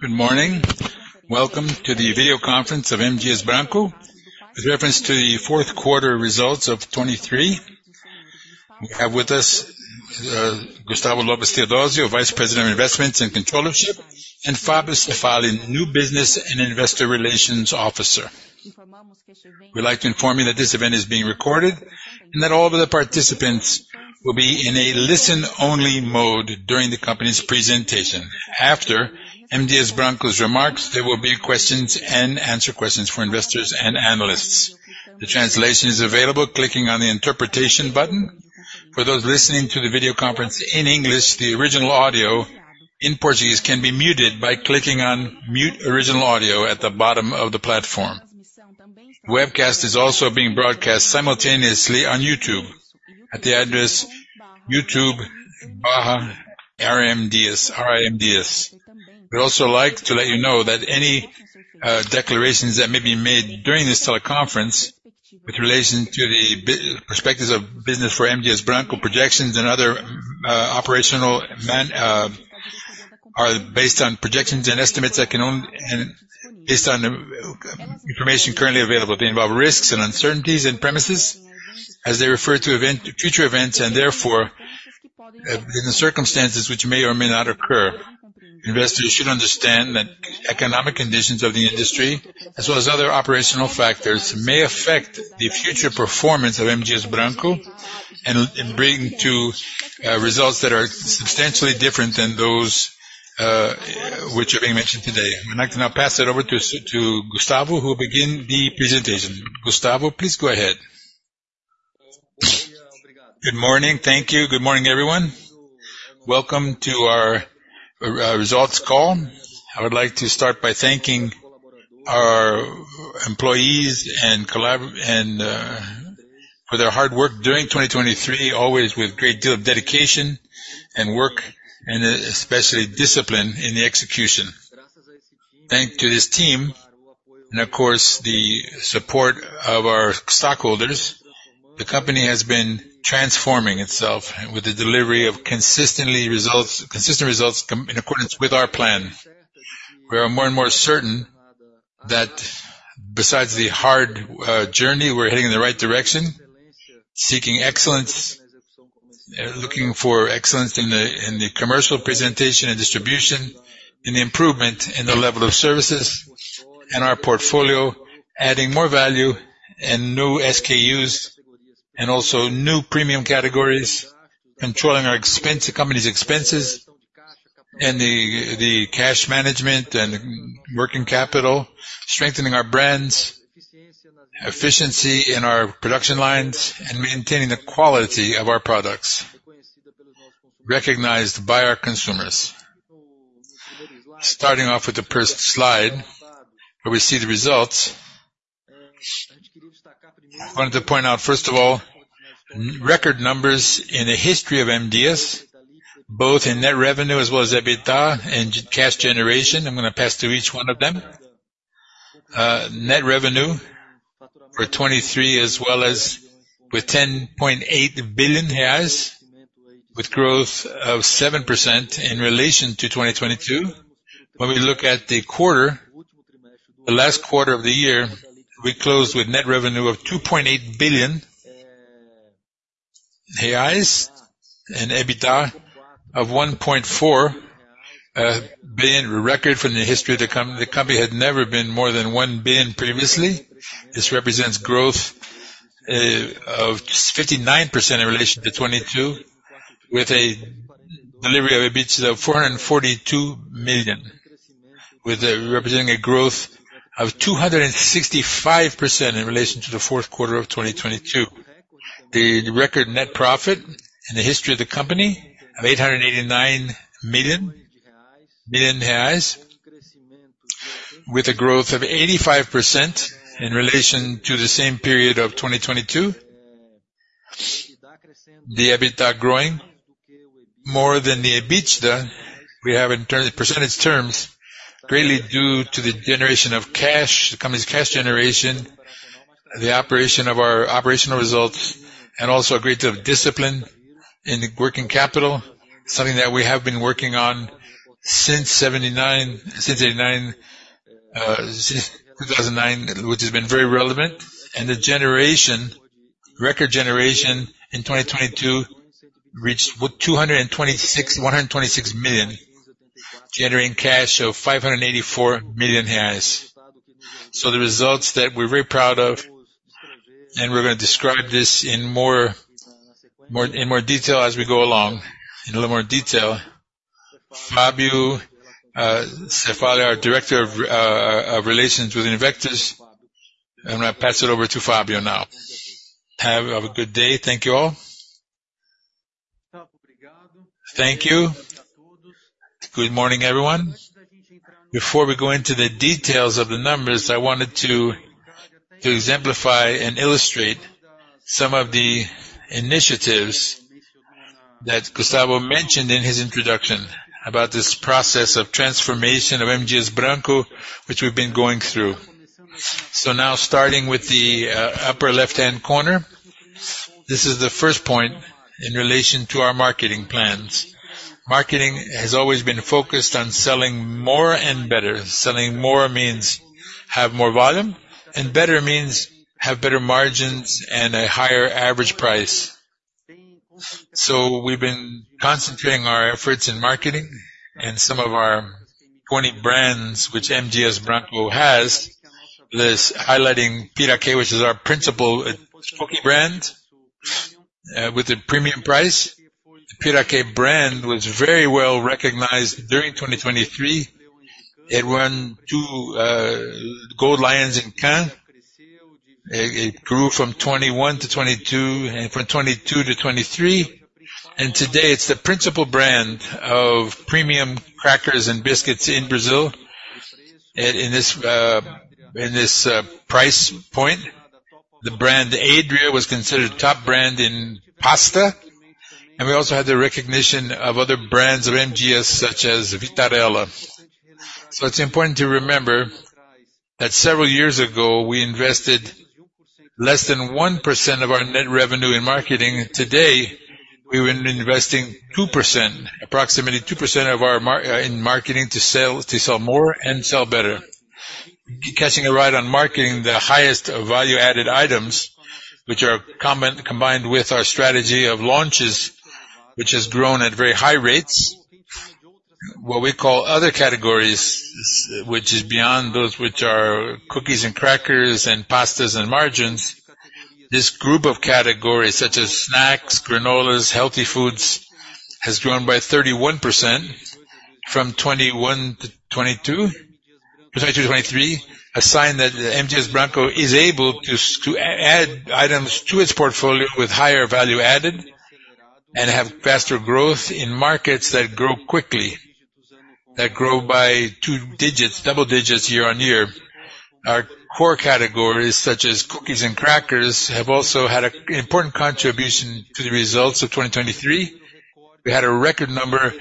Good morning. Welcome to the video conference of M. Dias Branco with reference to the fourth quarter results of 2023. We have with us Gustavo Lopes Theodozio, Vice-President of Investment and Controlling and Investor Relations Officer, and Fabio Cefaly, New Business and Investor Relations Director. We'd like to inform you that this event is being recorded and that all of the participants will be in a listen-only mode during the company's presentation. After M. Dias Branco's remarks, there will be questions and answer questions for investors and analysts. The translation is available clicking on the interpretation button. For those listening to the video conference in English, the original audio in Portuguese can be muted by clicking on Mute Original Audio at the bottom of the platform. The webcast is also being broadcast simultaneously on YouTube at the address YouTube/RI MDias. We'd also like to let you know that any declarations that may be made during this teleconference with relation to the perspectives of business for M. Dias Branco projections and other operational are based on projections and estimates that can only and based on information currently available. They involve risks and uncertainties in premises as they refer to future events and therefore in the circumstances which may or may not occur. Investors should understand that economic conditions of the industry as well as other operational factors may affect the future performance of M. Dias Branco and bring to results that are substantially different than those which are being mentioned today. I'd like to now pass it over to Gustavo who will begin the presentation. Gustavo, please go ahead. Obrigado. Good morning. Thank you. Good morning, everyone. Welcome to our results call. I would like to start by thanking our employees and collaborators for their hard work during 2023, always with a great deal of dedication and work and especially discipline in the execution. Thanks to this team and, of course, the support of our stockholders. The company has been transforming itself with the delivery of consistent results in accordance with our plan. We are more and more certain that besides the hard journey, we're heading in the right direction, seeking excellence, looking for excellence in the commercial presentation and distribution, in the improvement in the level of services and our portfolio, adding more value and new SKUs and also new premium categories, controlling our company's expenses and the cash management and working capital, strengthening our brands, efficiency in our production lines, and maintaining the quality of our products recognized by our consumers. Starting off with the first slide where we see the results, I wanted to point out, first of all, record numbers in the history of M. Dias, both in net revenue as well as EBITDA and cash generation. I'm going to pass to each one of them. Net revenue for 2023 as well as with 10.8 billion reais with growth of 7% in relation to 2022. When we look at the quarter, the last quarter of the year, we closed with net revenue of 2.8 billion reais and EBITDA of 1.4 billion, a record from the history of the company. The company had never been more than 1 billion previously. This represents growth of 59% in relation to 2022 with a delivery of EBITDA of 442 million, representing a growth of 265% in relation to the fourth quarter of 2022. The record net profit in the history of the company of 889 million with a growth of 85% in relation to the same period of 2022. The EBITDA growing more than the EBITDA we have in percentage terms greatly due to the generation of cash, the company's cash generation, the operation of our operational results, and also a great deal of discipline in working capital, something that we have been working on since 1979, since 2009, which has been very relevant. The record generation in 2022 reached 126 million, generating cash of 584 million reais. So the results that we're very proud of, and we're going to describe this in more detail as we go along, in a little more detail. Fabio Cefaly, our Director of Investor Relations. I'm going to pass it over to Fabio now. Have a good day. Thank you all. Thank you. Good morning, everyone. Before we go into the details of the numbers, I wanted to exemplify and illustrate some of the initiatives that Gustavo mentioned in his introduction about this process of transformation of M. Dias Branco, which we've been going through. So now starting with the upper left-hand corner, this is the first point in relation to our marketing plans. Marketing has always been focused on selling more and better. Selling more means have more volume, and better means have better margins and a higher average price. So we've been concentrating our efforts in marketing and some of our 20 brands which M. Dias Branco has, highlighting Piraquê, which is our principal premium brand with a premium price. The Piraquê brand was very well recognized during 2023. It won two Gold Lions in Cannes. It grew from 2021 to 2022 and from 2022 to 2023. Today, it's the principal brand of premium crackers and biscuits in Brazil in this price point. The brand Adria was considered top brand in pasta. We also had the recognition of other brands of M. Dias Branco such as Vitarella. It's important to remember that several years ago, we invested less than 1% of our net revenue in marketing. Today, we've been investing approximately 2% in marketing to sell more and sell better, catching a ride on marketing, the highest value-added items, which are combined with our strategy of launches, which has grown at very high rates. What we call other categories, which is beyond those which are cookies and crackers and pastas and margarines, this group of categories such as snacks, granolas, healthy foods has grown by 31% from 2021 to 2022, 2023, a sign that M. Dias Branco is able to add items to its portfolio with higher value added and have faster growth in markets that grow quickly, that grow by two digits, double digits year on year. Our core categories such as cookies and crackers have also had an important contribution to the results of 2023. We had a record number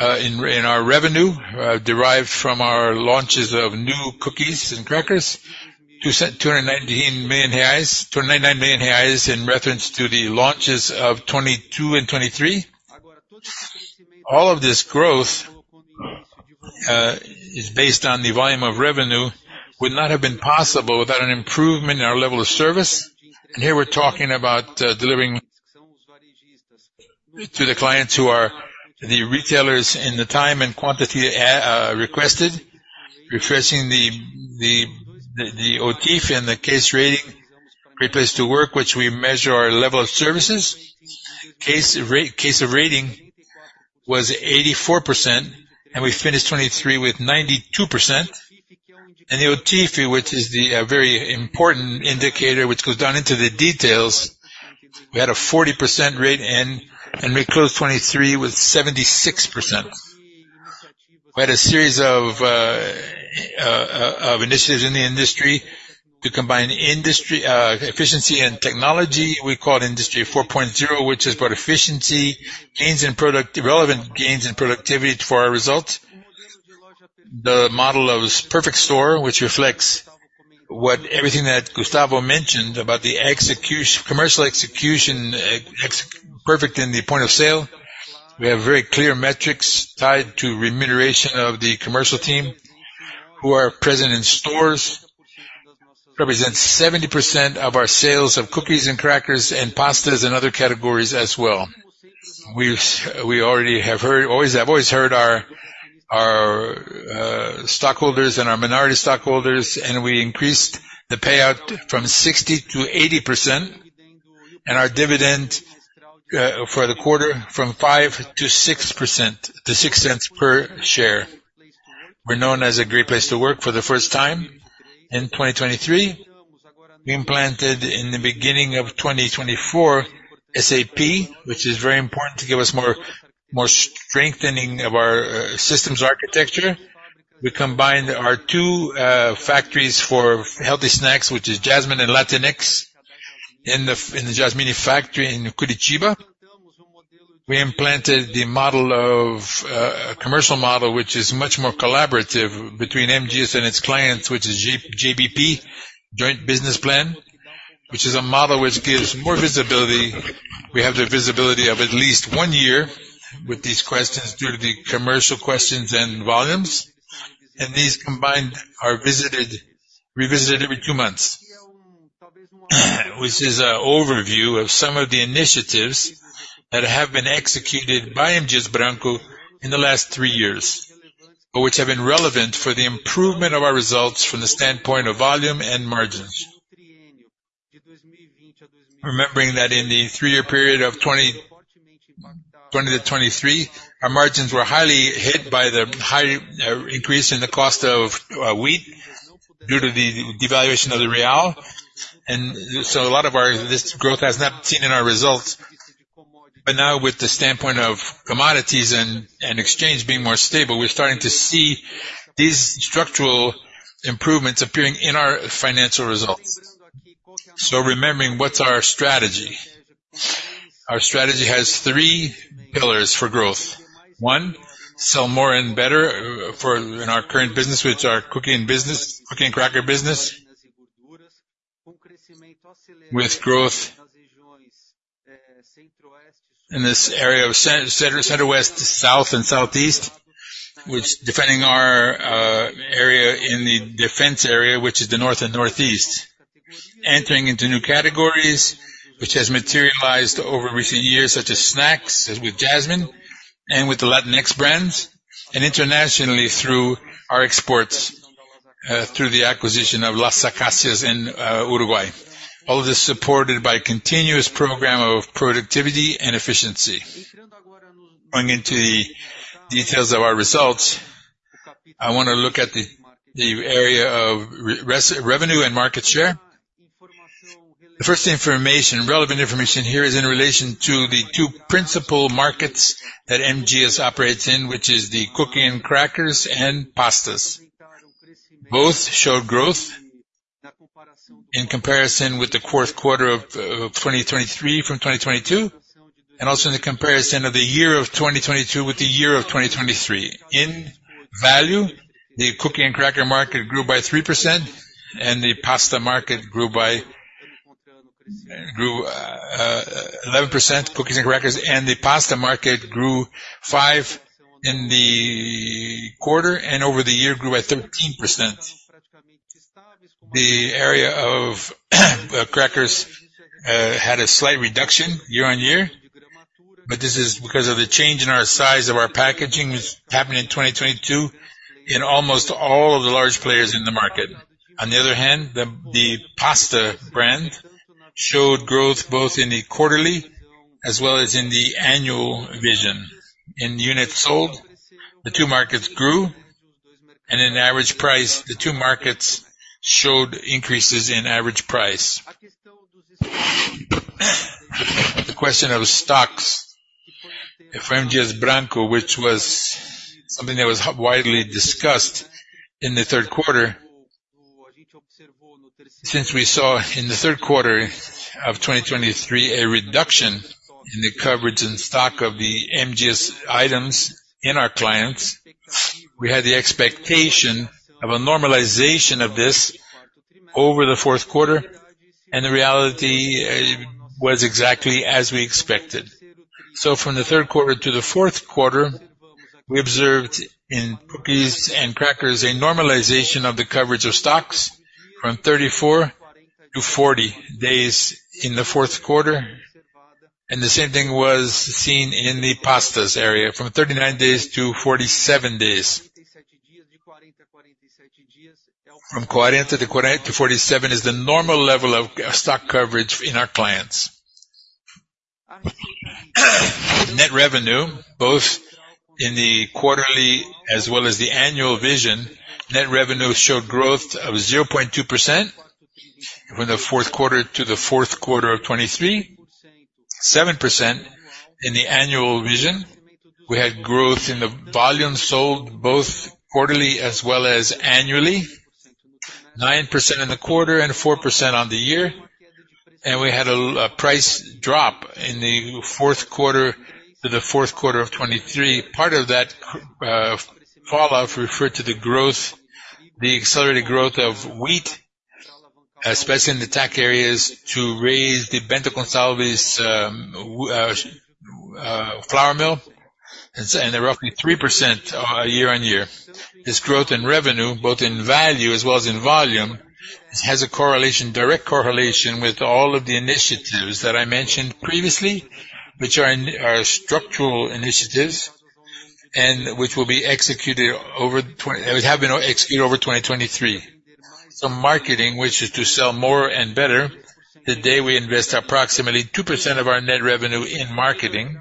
in our revenue derived from our launches of new cookies and crackers, 299 million reais in reference to the launches of 2022 and 2023. All of this growth is based on the volume of revenue would not have been possible without an improvement in our level of service. And here we're talking about delivering to the clients who are the retailers in the time and quantity requested, referring to the OTIF and the Case Fill Rate, Great Place to Work, which we measure our level of service. Case Fill Rate was 84%, and we finished 2023 with 92%. The OTIF, which is the very important indicator, which goes down into the details, we had a 40% rate in, and we closed 2023 with 76%. We had a series of initiatives in the industry to combine efficiency and technology. We called Industry 4.0, which has brought efficiency, relevant gains in productivity for our results. The model of Perfect Store, which reflects everything that Gustavo mentioned about the commercial execution perfect in the point of sale. We have very clear metrics tied to remuneration of the commercial team who are present in stores, represents 70% of our sales of cookies and crackers and pastas and other categories as well. We already have always heard our stockholders and our minority stockholders, and we increased the payout from 60%-80% and our dividend for the quarter from 0.05 to 0.06 per share. We're known as a Great Place to Work for the first time. In 2023, we implemented in the beginning of 2024 SAP, which is very important to give us more strengthening of our systems architecture. We combined our two factories for healthy snacks, which is Jasmine and Latinex, in the Jasmine factory in Curitiba. We implemented the commercial model, which is much more collaborative between M. Dias and its clients, which is JBP, Joint Business Plan, which is a model which gives more visibility. We have the visibility of at least one year with these questions due to the commercial questions and volumes. These combined are revisited every two months, which is an overview of some of the initiatives that have been executed by M. Dias Branco in the last three years but which have been relevant for the improvement of our results from the standpoint of volume and margins. Remembering that in the three-year period of 2020-2023, our margins were highly hit by the high increase in the cost of wheat due to the devaluation of the real. So a lot of this growth has not been seen in our results. But now, with the standpoint of commodities and exchange being more stable, we're starting to see these structural improvements appearing in our financial results. So remembering, what's our strategy? Our strategy has three pillars for growth. One, sell more and better in our current business, which are cookie and cracker business, with growth in this area of Center West, South, and Southeast, defending our area in the defense area, which is the North and Northeast, entering into new categories, which has materialized over recent years such as snacks with Jasmine and with the Latinex brands, and internationally through our exports, through the acquisition of Las Acacias in Uruguay. All of this supported by a continuous program of productivity and efficiency. Going into the details of our results, I want to look at the area of revenue and market share. The first relevant information here is in relation to the two principal markets that M. Dias operates in, which is the cookie and crackers and pastas. Both showed growth in comparison with the fourth quarter of 2023 from 2022 and also in the comparison of the year of 2022 with the year of 2023. In value, the cookie and cracker market grew by 3%, and the pasta market grew by 11%, cookies and crackers, and the pasta market grew 5% in the quarter and over the year grew by 13%. The area of crackers had a slight reduction year-on-year, but this is because of the change in our size of our packaging which happened in 2022 in almost all of the large players in the market. On the other hand, the pasta brand showed growth both in the quarterly as well as in the annual vision. In units sold, the two markets grew. In average price, the two markets showed increases in average price. The question of stocks for M. Dias Branco. Dias Branco, which was something that was widely discussed in the third quarter, since we saw in the third quarter of 2023 a reduction in the coverage and stock of the M. Dias Branco items in our clients, we had the expectation of a normalization of this over the fourth quarter. The reality was exactly as we expected. From the third quarter to the fourth quarter, we observed in cookies and crackers a normalization of the coverage of stocks from 34-40 days in the fourth quarter. The same thing was seen in the pasta area, from 39-47 days. From 40-47 is the normal level of stock coverage in our clients. Net revenue, both in the quarterly as well as the annual vision, net revenue showed growth of 0.2% from the fourth quarter to the fourth quarter of 2023, 7% in the annual vision. We had growth in the volume sold both quarterly as well as annually, 9% in the quarter and 4% on the year. And we had a price drop in the fourth quarter to the fourth quarter of 2023. Part of that falloff referred to the accelerated growth of wheat, especially in the attack areas, to raise the Bento Gonçalves flour mill, and there roughly 3% year-on-year. This growth in revenue, both in value as well as in volume, has a direct correlation with all of the initiatives that I mentioned previously, which are structural initiatives and which will be executed over 2023. Marketing, which is to sell more and better, the way we invest approximately 2% of our net revenue in marketing,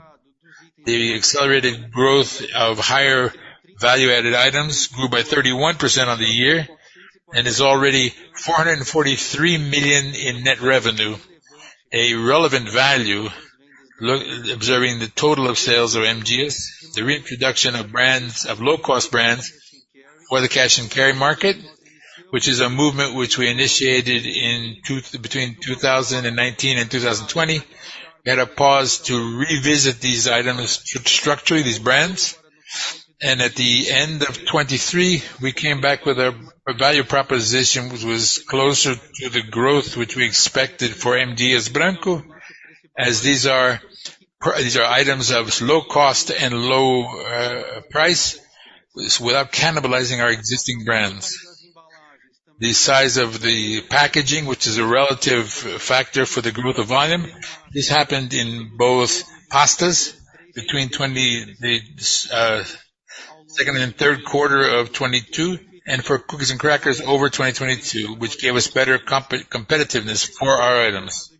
the accelerated growth of higher value-added items grew by 31% on the year and is already 443 million in net revenue, a relevant value observing the total of sales of M. Dias, the reintroduction of low-cost brands for the cash and carry market, which is a movement which we initiated between 2019 and 2020. We had a pause to revisit these items structurally, these brands. And at the end of 2023, we came back with a value proposition which was closer to the growth which we expected for M. Dias Branco, as these are items of low cost and low price without cannibalizing our existing brands. The size of the packaging, which is a relative factor for the growth of volume, this happened in both pastas between the second and third quarter of 2022. For cookies and crackers over 2022, which gave us better competitiveness for our items.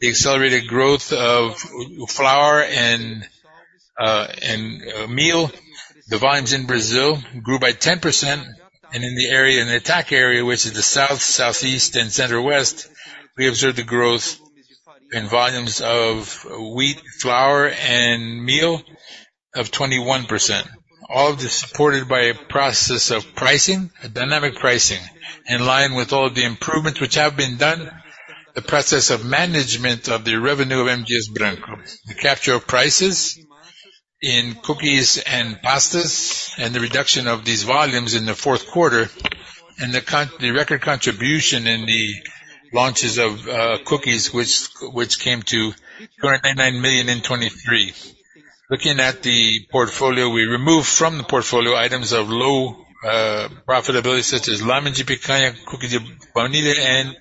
The accelerated growth of flour and meal, the volumes in Brazil grew by 10%. In the attack area, which is the south, southeast, and center west, we observed the growth in volumes of wheat, flour, and meal of 21%, all of this supported by a process of dynamic pricing in line with all of the improvements which have been done, the process of management of the revenue of M. Dias Branco, the capture of prices in cookies and pastas, and the reduction of these volumes in the fourth quarter, and the record contribution in the launches of cookies, which came to 299 million in 2023. Looking at the portfolio, we removed from the portfolio items of low profitability such as Linha de Campanha, cookies of vanilla, and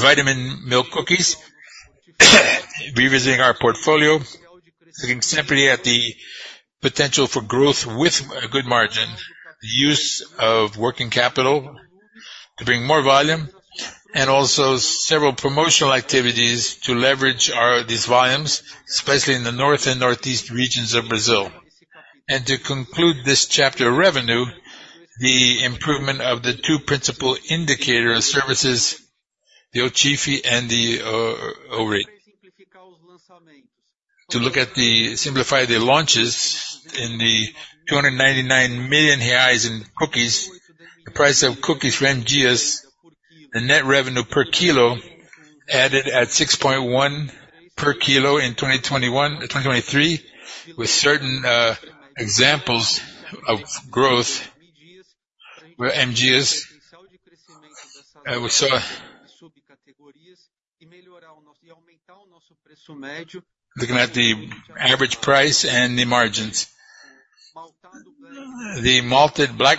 vitamin milk cookies, revisiting our portfolio, looking simply at the potential for growth with a good margin, the use of working capital to bring more volume, and also several promotional activities to leverage these volumes, especially in the North and Northeast regions of Brazil. To conclude this chapter of revenue, the improvement of the two principal indicators, services, the OTIF, and the OFR, to look at the simplify the launches in the 299 million reais in cookies, the price of cookies for M. Dias, the net revenue per kilo added at 6.1 per kilo in 2023 with certain examples of growth where M. Dias Branco looking at the average price and the margins, the Leite Maltado Black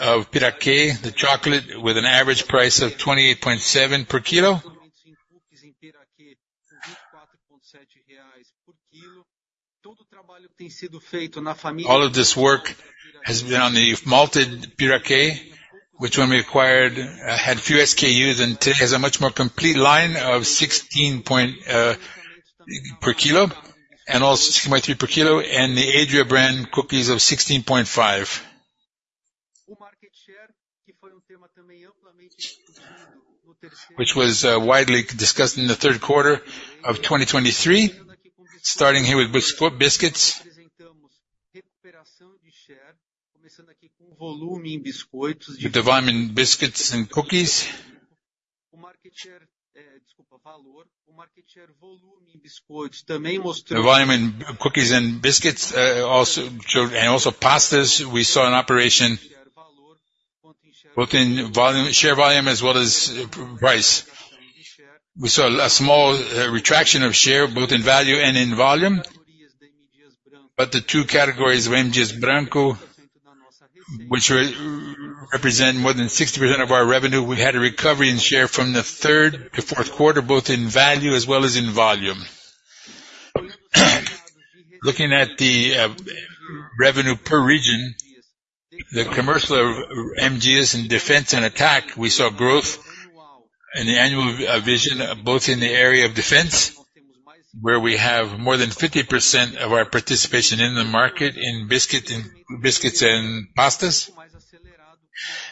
of Piraquê, the chocolate, with an average price of 28.7 per kilo. All of this work has been on the malted Piraquê, which when we acquired had fewer SKUs and today has a much more complete line of 6.3 per kilo and the Adria brand cookies of 16.5, which was widely discussed in the third quarter of 2023, starting here with biscuits. The volume in biscuits and cookies. The volume in cookies and biscuits also showed and also pastas. We saw an operation both in share volume as well as price. We saw a small contraction of share both in value and in volume, but the two categories of M. Dias Branco, which represent more than 60% of our revenue, we had a recovery in share from the third to fourth quarter both in value as well as in volume. Looking at the revenue per region, the commercial of M. Dias in defense and attack, we saw growth in the annual vision both in the area of defense where we have more than 50% of our participation in the market in biscuits and pastas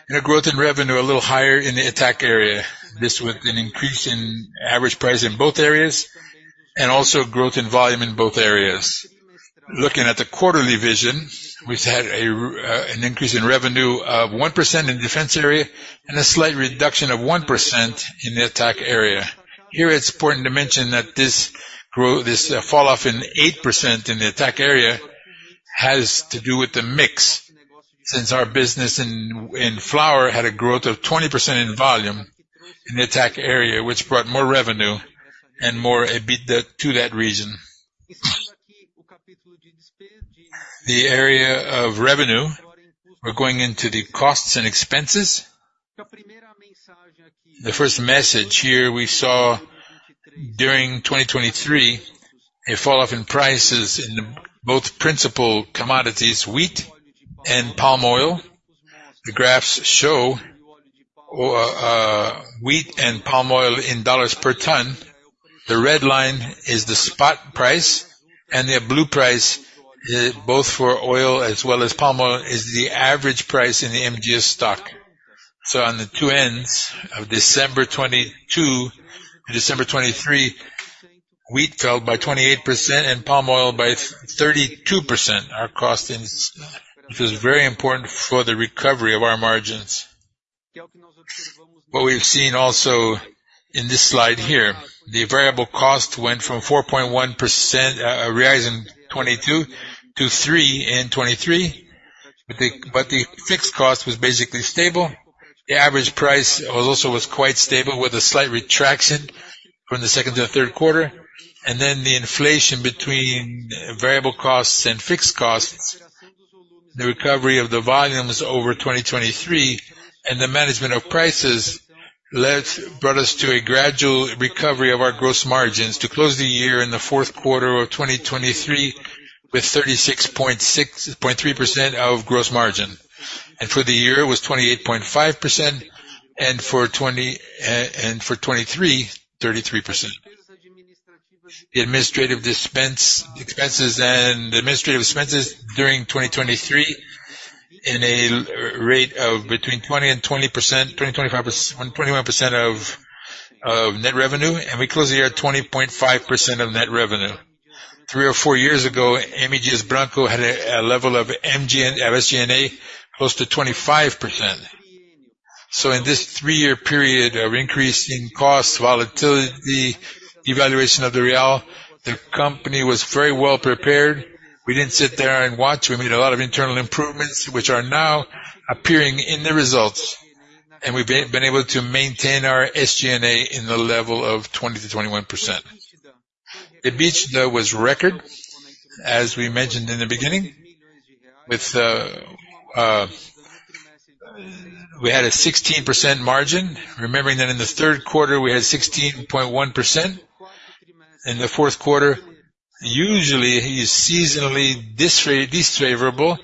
and a growth in revenue a little higher in the attack area, this with an increase in average price in both areas and also growth in volume in both areas. Looking at the quarterly vision, we've had an increase in revenue of 1% in the defense area and a slight reduction of 1% in the attack area. Here, it's important to mention that this falloff in 8% in the attack area has to do with the mix since our business in flour had a growth of 20% in volume in the attack area, which brought more revenue and more to that region. The area of revenue, we're going into the costs and expenses. The first message here, we saw during 2023 a falloff in prices in both principal commodities, wheat and palm oil. The graphs show wheat and palm oil in $ per ton. The red line is the spot price, and the blue price both for oil as well as palm oil is the average price in the M. Dias Branco stock. So on the two ends of December 2022 and December 2023, wheat fell by 28% and palm oil by 32%, which was very important for the recovery of our margins. What we've seen also in this slide here, the variable cost went from 4.1 in 2022 to 3 in 2023, but the fixed cost was basically stable. The average price also was quite stable with a slight retraction from the second to the third quarter. And then the inflation between variable costs and fixed costs, the recovery of the volumes over 2023, and the management of prices brought us to a gradual recovery of our gross margins to close the year in the fourth quarter of 2023 with 36.3% of gross margin. And for the year, it was 28.5%, and for 2023, 33%. The administrative expenses during 2023 in a rate of between 20%-25% of net revenue, and we closed the year at 20.5% of net revenue. 3 or 4 years ago, M. Dias Branco had a level of SG&A close to 25%. In this three-year period of increasing costs, volatility, devaluation of the real, the company was very well prepared. We didn't sit there and watch. We made a lot of internal improvements, which are now appearing in the results. And we've been able to maintain our SG&A in the level of 20%-21%. The EBITDA, though, was record, as we mentioned in the beginning. We had a 16% margin, remembering that in the third quarter, we had 16.1%. In the fourth quarter, usually, it's seasonally unfavorable,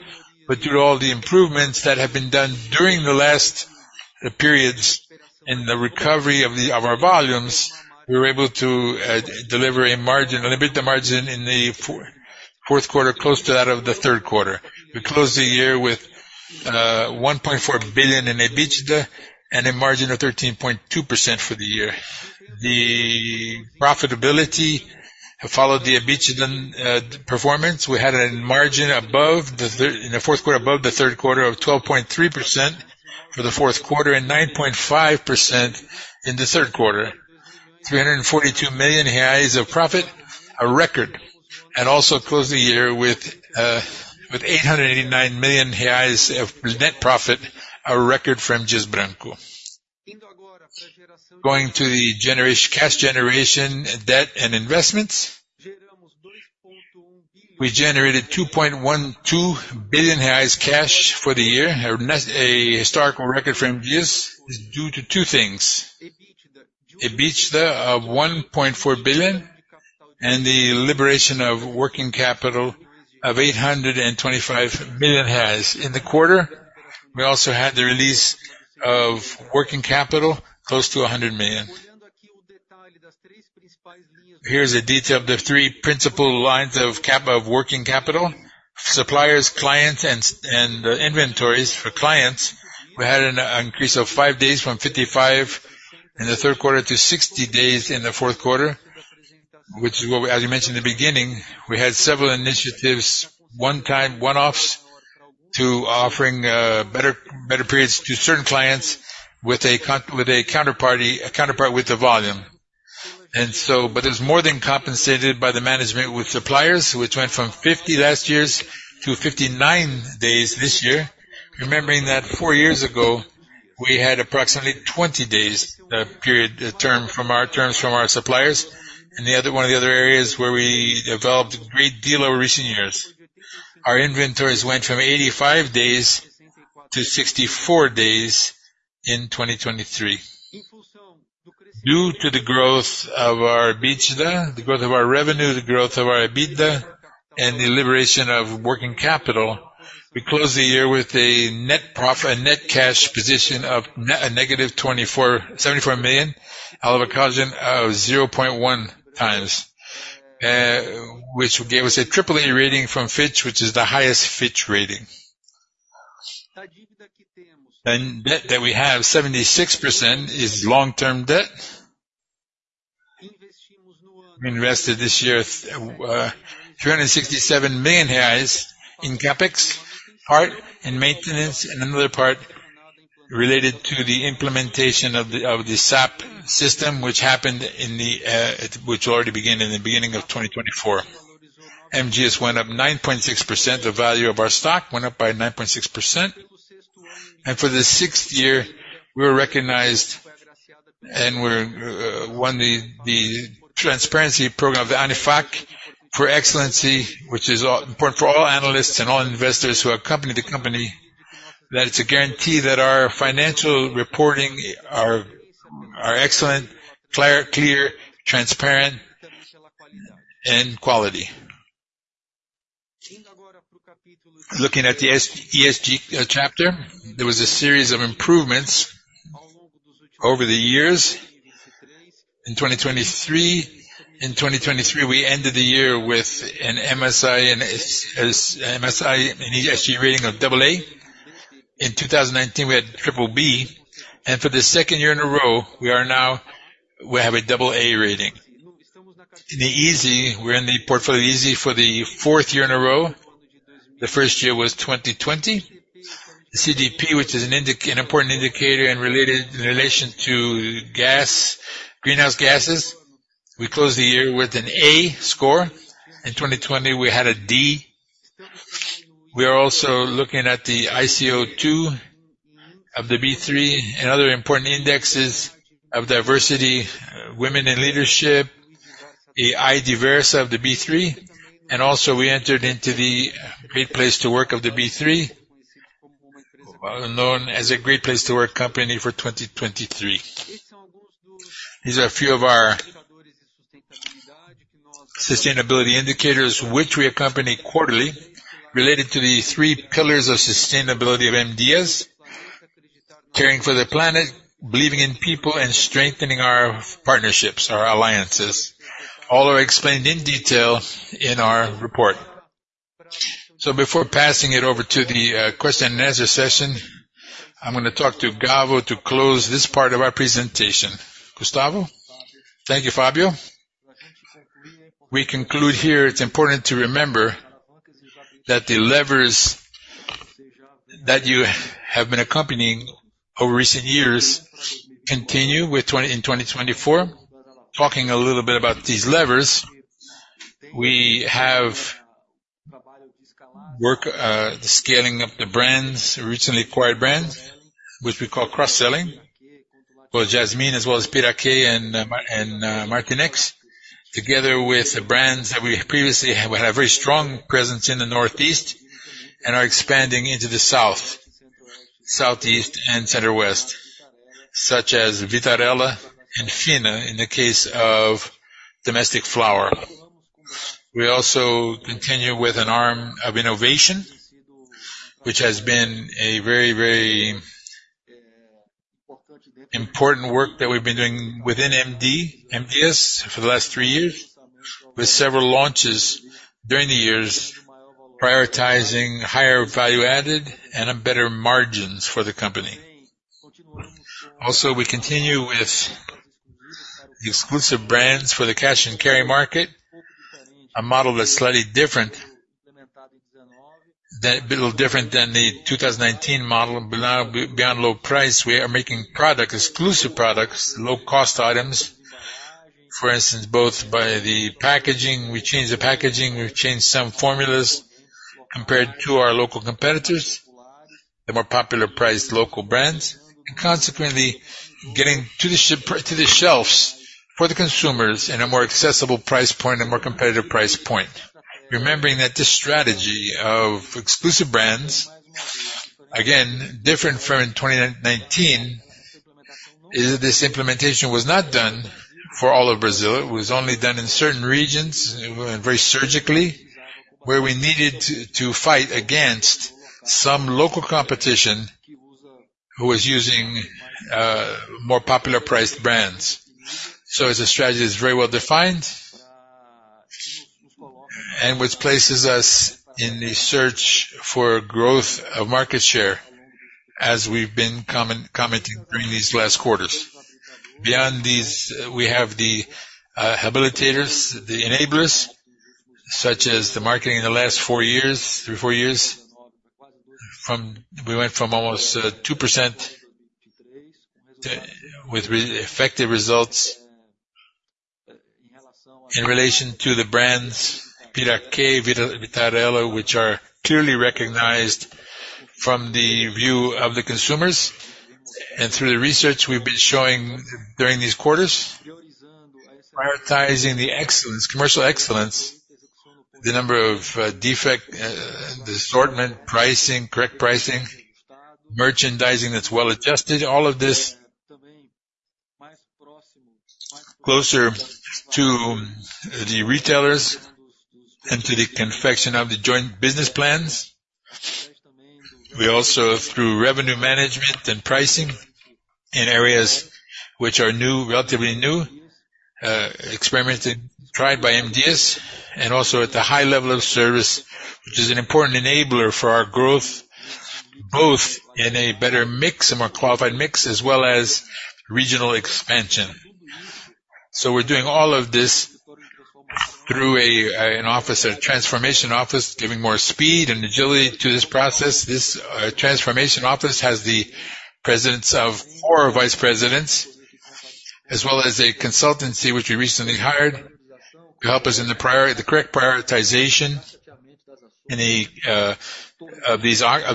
but due to all the improvements that have been done during the last periods in the recovery of our volumes, we were able to deliver a margin, limit the margin in the fourth quarter close to that of the third quarter. We closed the year with 1.4 billion in EBITDA and a margin of 13.2% for the year. The profitability followed the EBITDA performance. We had a margin in the fourth quarter above the third quarter of 12.3% for the fourth quarter and 9.5% in the third quarter, 342 million reais of profit, a record, and also closed the year with 889 million reais of net profit, a record from M. Dias Branco. Going to the cash generation, debt, and investments, we generated 2.12 billion reais cash for the year, a historical record from M. Dias due to two things, EBITDA of 1.4 billion and the liberation of working capital of 825 million. In the quarter, we also had the release of working capital close to 100 million. Here's a detail of the three principal lines of working capital, suppliers, clients, and inventories for clients. We had an increase of 5 days from 55 in the third quarter to 60 days in the fourth quarter, which is what, as you mentioned in the beginning, we had several initiatives, one-offs to offering better periods to certain clients with a counterpart with the volume. But it was more than compensated by the management with suppliers, which went from 50 last year to 59 days this year, remembering that 4 years ago, we had approximately 20 days' term from our suppliers. One of the other areas where we developed a great deal over recent years, our inventories went from 85 days to 64 days in 2023. Due to the growth of our base, the growth of our revenue, the growth of our EBITDA, and the liberation of working capital, we closed the year with a net cash position of -74 million, with a leverage of 0.1x, which gave us a triple A rating from Fitch, which is the highest Fitch rating. Debt that we have, 76%, is long-term debt. We invested this year 367 million reais in CapEx, part maintenance and another part related to the implementation of the SAP system, which already began in the beginning of 2024. M. Dias went up 9.6%. The value of our stock went up by 9.6%. For the sixth year, we were recognized and won the transparency program of the ANEFAC for excellence, which is important for all analysts and all investors who accompany the company, that it's a guarantee that our financial reporting are excellent, clear, transparent, and quality. Looking at the ESG chapter, there was a series of improvements over the years. In 2023, we ended the year with an MSCI and ESG rating of double A. In 2019, we had triple B. And for the second year in a row, we have a double A rating. In the ISE, we're in the portfolio ISE for the fourth year in a row. The first year was 2020. The CDP, which is an important indicator in relation to greenhouse gases, we closed the year with an A score. In 2020, we had a D. We are also looking at the ICO2 of the B3 and other important indexes of diversity, women in leadership, the IDiversa of the B3. And also, we entered into the Great Place to Work of the B3, known as a Great Place to Work company for 2023. These are a few of our sustainability indicators, which we accompany quarterly related to the three pillars of sustainability of M. Dias, caring for the planet, believing in people, and strengthening our partnerships, our alliances. All are explained in detail in our report. So before passing it over to the question and answer session, I'm going to talk to Gustavo to close this part of our presentation. Gustavo? Thank you, Fabio. We conclude here. It's important to remember that the levers that you have been accompanying over recent years continue in 2024. Talking a little bit about these levers, we have the scaling up the brands, recently acquired brands, which we call cross-selling, both Jasmine as well as Piraquê and Latinex, together with brands that we previously had a very strong presence in the Northeast and are expanding into the South, Southeast, and Center West, such as Vitarella and Finna in the case of domestic flour. We also continue with an arm of innovation, which has been a very, very important work that we've been doing within M. Dias for the last three years with several launches during the years, prioritizing higher value added and better margins for the company. Also, we continue with exclusive brands for the cash and carry market, a model that's slightly different, a little different than the 2019 model. Beyond low price, we are making exclusive products, low-cost items, for instance, both by the packaging. We changed the packaging. We've changed some formulas compared to our local competitors, the more popular-priced local brands, and consequently, getting to the shelves for the consumers in a more accessible price point, a more competitive price point. Remembering that this strategy of exclusive brands, again, different from in 2019, is that this implementation was not done for all of Brazil. It was only done in certain regions and very surgically where we needed to fight against some local competition who was using more popular-priced brands. So it's a strategy that's very well defined and which places us in the search for growth of market share as we've been commenting during these last quarters. Beyond these, we have the habilitators, the enablers, such as the marketing in the last four years, three, four years. We went from almost 2% with effective results in relation to the brands, Piraquê, Vitarella, which are clearly recognized from the view of the consumers. And through the research we've been showing during these quarters, prioritizing the commercial excellence, the number of defect, disarrangement, pricing, correct pricing, merchandising that's well adjusted, all of this closer to the retailers and to the execution of the joint business plans. We also, through revenue management and pricing in areas which are relatively new, experimenting, tried by M. Dias, and also at the high level of service, which is an important enabler for our growth, both in a better mix and more qualified mix as well as regional expansion. So we're doing all of this through an office, a transformation office, giving more speed and agility to this process. This transformation office has the presence of four vice presidents as well as a consultancy, which we recently hired to help us in the correct prioritization of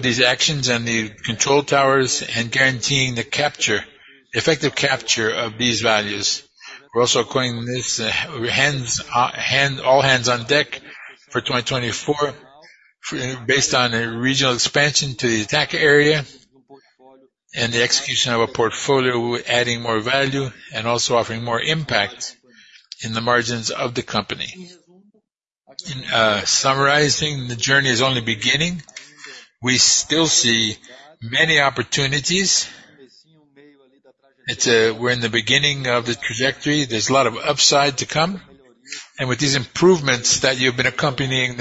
these actions and the control towers and guaranteeing the effective capture of these values. We're also calling this all hands on deck for 2024 based on a regional expansion to the attack area and the execution of a portfolio, adding more value and also offering more impact in the margins of the company. Summarizing, the journey is only beginning. We still see many opportunities. We're in the beginning of the trajectory. There's a lot of upside to come. And with these improvements that you've been accompanying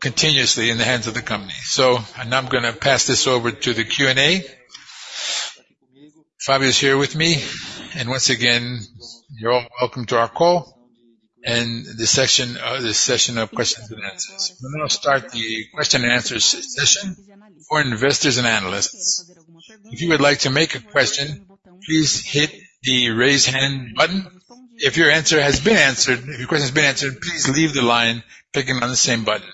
continuously in the hands of the company. So now I'm going to pass this over to the Q&A. Fabio is here with me. Once again, you're all welcome to our call and this session of questions and answers. I'm going to start the question and answer session for investors and analysts. If you would like to make a question, please hit the raise hand button. If your question has been answered, please lower your hand by clicking on the same button.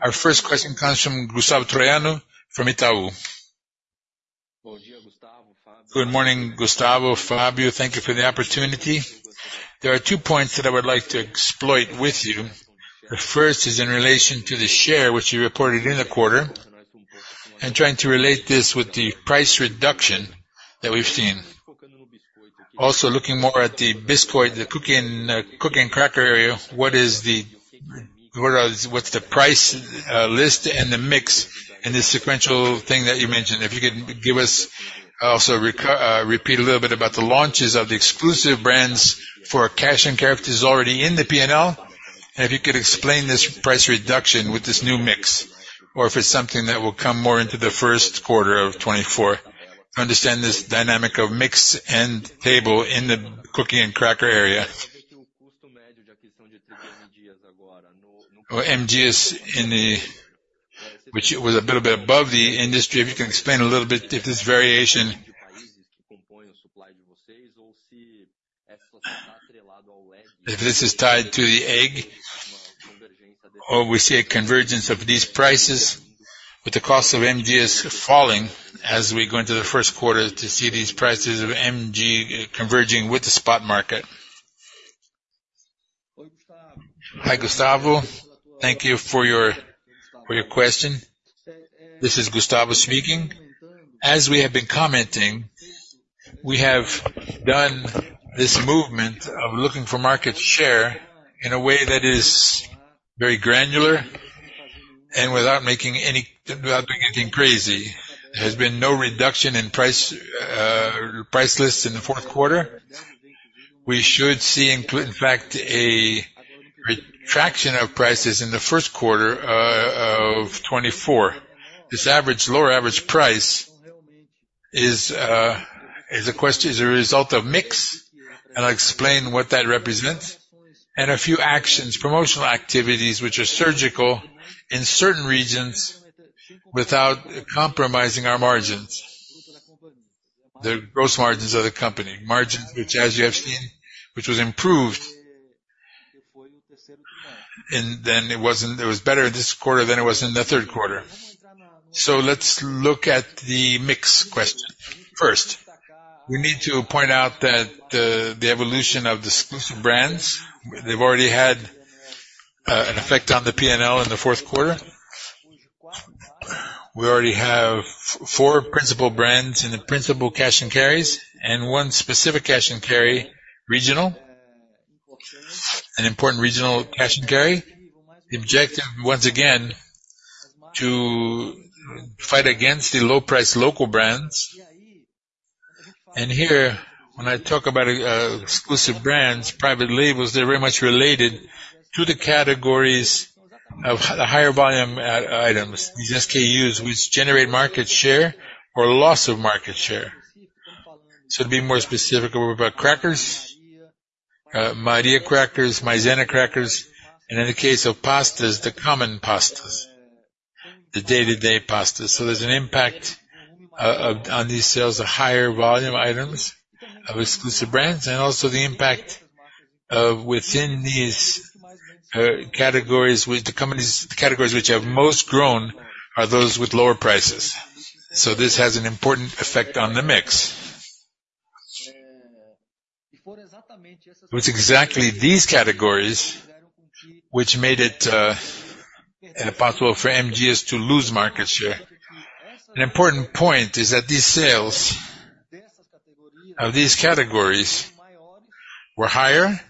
Our first question comes from Gustavo Troyano from Itaú. Good morning, Gustavo. Fabio, thank you for the opportunity. There are two points that I would like to explore with you. The first is in relation to the share, which you reported in the quarter, and trying to relate this with the price reduction that we've seen. Also looking more at the cookie and cracker area, what's the price list and the mix and this sequential thing that you mentioned? If you could give us also repeat a little bit about the launches of the exclusive brands for cash and carry already in the P&L. If you could explain this price reduction with this new mix or if it's something that will come more into the first quarter of 2024, understand this dynamic of mix and volume in the cookie and cracker area. If you can explain a little bit if this variation or we see a convergence of these prices with the cost of M. Dias falling as we go into the first quarter to see these prices of M. Dias converging with the spot market. Hi, Gustavo. Thank you for your question. This is Gustavo speaking. As we have been commenting, we have done this movement of looking for market share in a way that is very granular and without making anything crazy. There has been no reduction in price lists in the fourth quarter. We should see, in fact, a retraction of prices in the first quarter of 2024. This lower average price is a result of mix, and I'll explain what that represents and a few actions, promotional activities, which are surgical in certain regions without compromising our margins, the gross margins of the company, margins which, as you have seen, were improved. And then it was better in this quarter than it was in the third quarter. So let's look at the mix question first. We need to point out that the evolution of the exclusive brands, they've already had an effect on the P&L in the fourth quarter. We already have 4 principal brands in the principal cash and carries and one specific cash and carry regional, an important regional cash and carry. The objective, once again, is to fight against the low-priced local brands. And here, when I talk about exclusive brands, private labels, they're very much related to the categories of the higher volume items, these SKUs, which generate market share or loss of market share. So to be more specific, we're about crackers, Maria crackers, Maizena crackers, and in the case of pastas, the common pastas, the day-to-day pastas. So there's an impact on these sales, the higher volume items of exclusive brands, and also the impact within these categories. The categories which have most grown are those with lower prices. So this has an important effect on the mix. It was exactly these categories which made it possible for M. Dias to lose market share. An important point is that these sales of these categories were higher,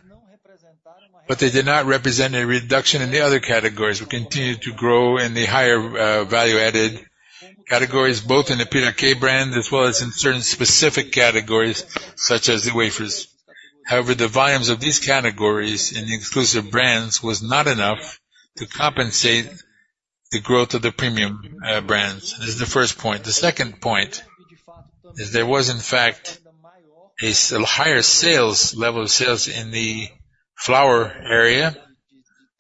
but they did not represent a reduction in the other categories. We continued to grow in the higher value added categories, both in the Piraquê brand as well as in certain specific categories such as the wafers. However, the volumes of these categories in the exclusive brands were not enough to compensate the growth of the premium brands. This is the first point. The second point is there was, in fact, a higher level of sales in the flour area.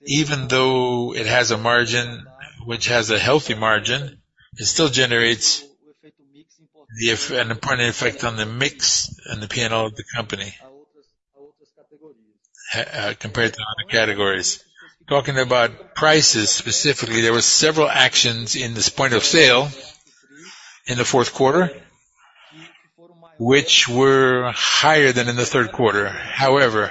Even though it has a margin which has a healthy margin, it still generates an important effect on the mix and the P&L of the company compared to other categories. Talking about prices specifically, there were several actions in this point of sale in the fourth quarter which were higher than in the third quarter. However,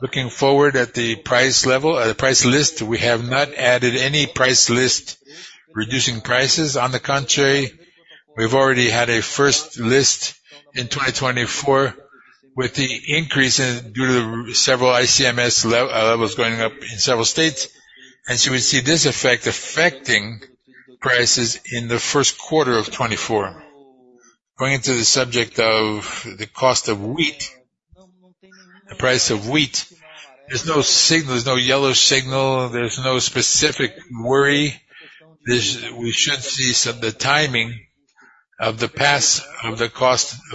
looking forward at the price list, we have not added any price list reducing prices. On the contrary, we've already had a first list in 2024 with the increase due to several ICMS levels going up in several states. So we see this effect affecting prices in the first quarter of 2024. Going into the subject of the cost of wheat, the price of wheat, there's no signal. There's no yellow signal. There's no specific worry. We should see the timing of the cost of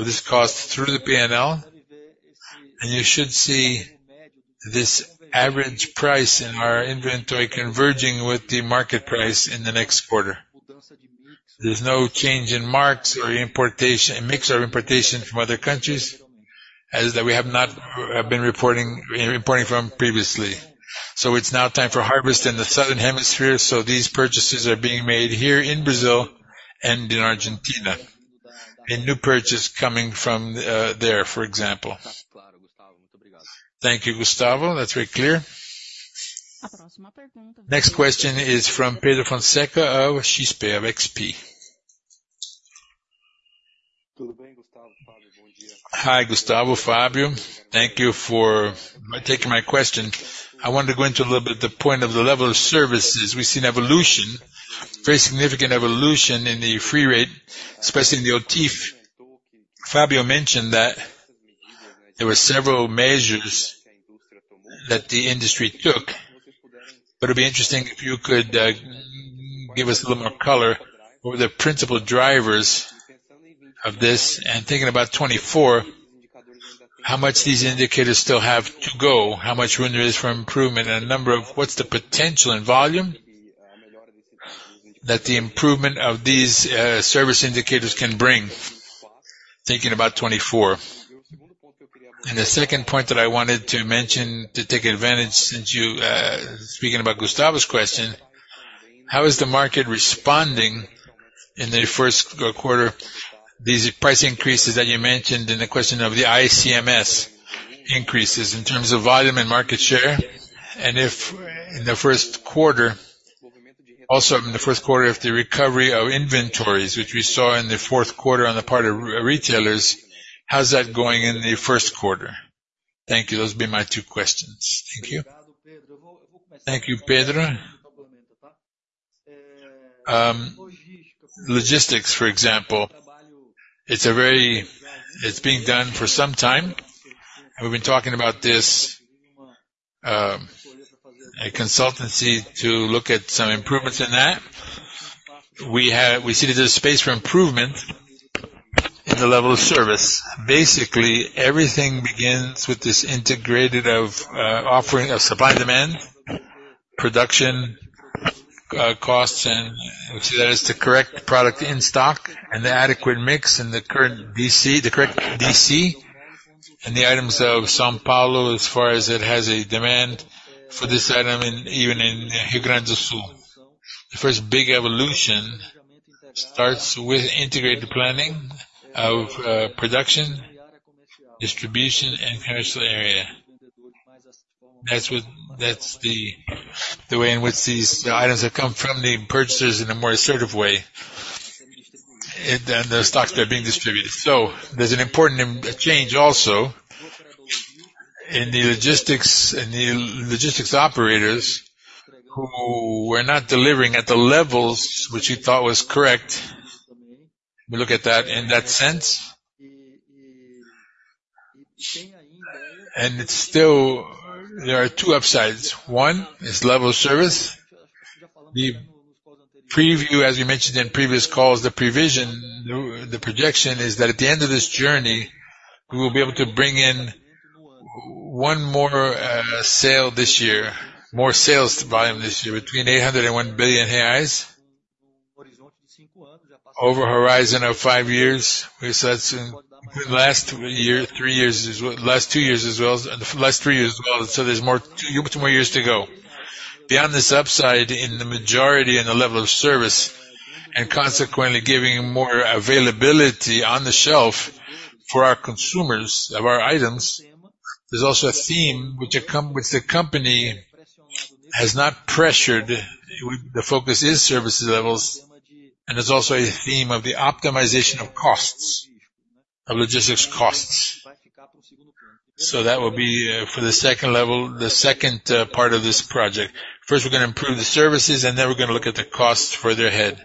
this cost through the P&L. You should see this average price in our inventory converging with the market price in the next quarter. There's no change in marks or mix or importation from other countries as that we have been reporting from previously. It's now time for harvest in the Southern Hemisphere. These purchases are being made here in Brazil and in Argentina and new purchase coming from there, for example. Thank you, Gustavo. That's very clear. Next question is from Pedro Fonseca of XP. Hi, Gustavo. Fabio, thank you for taking my question. I wanted to go into a little bit the point of the level of services. We've seen evolution, very significant evolution in the fill rate, especially in the OTIF. Fabio mentioned that there were several measures that the industry took. But it'd be interesting if you could give us a little more color over the principal drivers of this. And thinking about 2024, how much these indicators still have to go, how much room there is for improvement, and what's the potential in volume that the improvement of these service indicators can bring, thinking about 2024. And the second point that I wanted to mention, to take advantage since you're speaking about Gustavo's question, how is the market responding in the first quarter, these price increases that you mentioned and the question of the ICMS increases in terms of volume and market share? And in the first quarter, also in the first quarter, if the recovery of inventories, which we saw in the fourth quarter on the part of retailers, how's that going in the first quarter? Thank you. Those would be my two questions. Thank you. Thank you, Pedro. Logistics, for example, it's being done for some time. And we've been talking about this, a consultancy to look at some improvements in that. We see that there's space for improvement in the level of service. Basically, everything begins with this integrated of supply and demand, production costs. We see that as the correct product in stock and the adequate mix and the correct DC and the items of São Paulo, as far as it has a demand for this item even in Rio Grande do Sul. The first big evolution starts with integrated planning of production, distribution, and commercial area. That's the way in which these items have come from the purchasers in a more assertive way and the stocks that are being distributed. So there's an important change also in the logistics operators who were not delivering at the levels which we thought was correct. We look at that in that sense. And there are two upsides. One is level of service. The preview, as you mentioned in previous calls, the provision, the projection is that at the end of this journey, we will be able to bring in 1 more sale this year, more sales volume this year between 800 million and 1 billion reais over a horizon of 5 years. So that's in the last 3 years as well. Last 3 years as well. So there's 2 more years to go. Beyond this upside in the majority in the level of service and consequently giving more availability on the shelf for our consumers of our items, there's also a theme which the company has not pressured. The focus is service levels. And there's also a theme of the optimization of costs, of logistics costs. So that will be for the second level, the second part of this project. First, we're going to improve the services, and then we're going to look at the costs further ahead.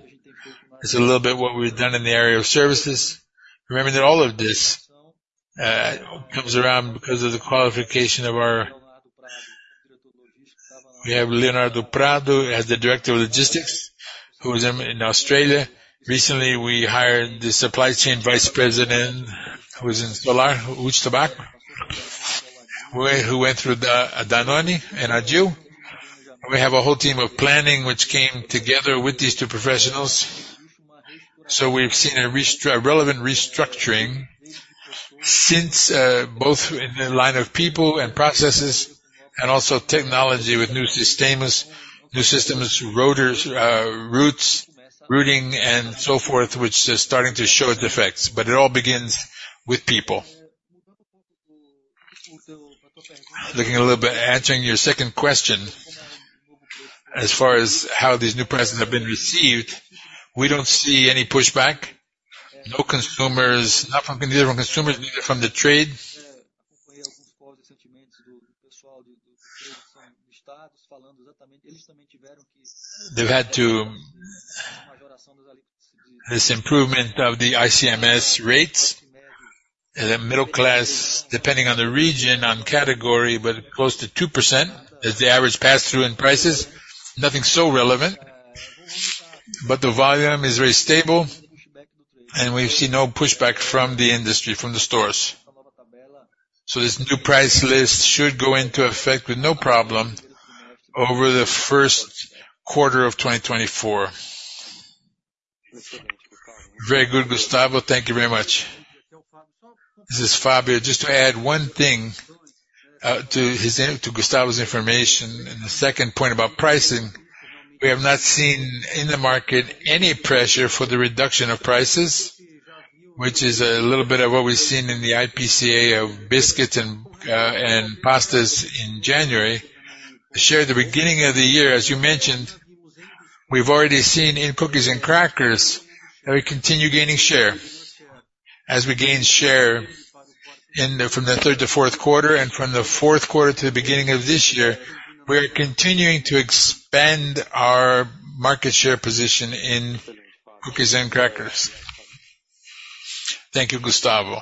It's a little bit what we've done in the area of services. Remember that all of this comes around because of the qualification of ours. We have Leonardo Prado as the Director of Logistics who was in Australia. Recently, we hired the supply chain Vice President who was in Solar, Uchoa, who went through Danone and Cargill. And we have a whole team of planning which came together with these two professionals. So we've seen a relevant restructuring both in the line of people and processes and also technology with new systems, routing, and so forth, which is starting to show its effects. But it all begins with people. Looking a little bit, answering your second question as far as how these new prices have been received, we don't see any pushback—no consumers, neither from consumers nor from the trade. This improvement of the ICMS rates in the middle class, depending on the region, on category, but close to 2% as the average pass-through in prices. Nothing so relevant. But the volume is very stable. We've seen no pushback from the industry, from the stores. So this new price list should go into effect with no problem over the first quarter of 2024. Very good, Gustavo. Thank you very much. Mrs. Fabio, just to add one thing to Gustavo's information and the second point about pricing, we have not seen in the market any pressure for the reduction of prices, which is a little bit of what we've seen in the IPCA of biscuits and pastas in January. Share at the beginning of the year, as you mentioned, we've already seen in cookies and crackers that we continue gaining share. As we gain share from the third to fourth quarter and from the fourth quarter to the beginning of this year, we are continuing to expand our market share position in cookies and crackers. Thank you, Gustavo.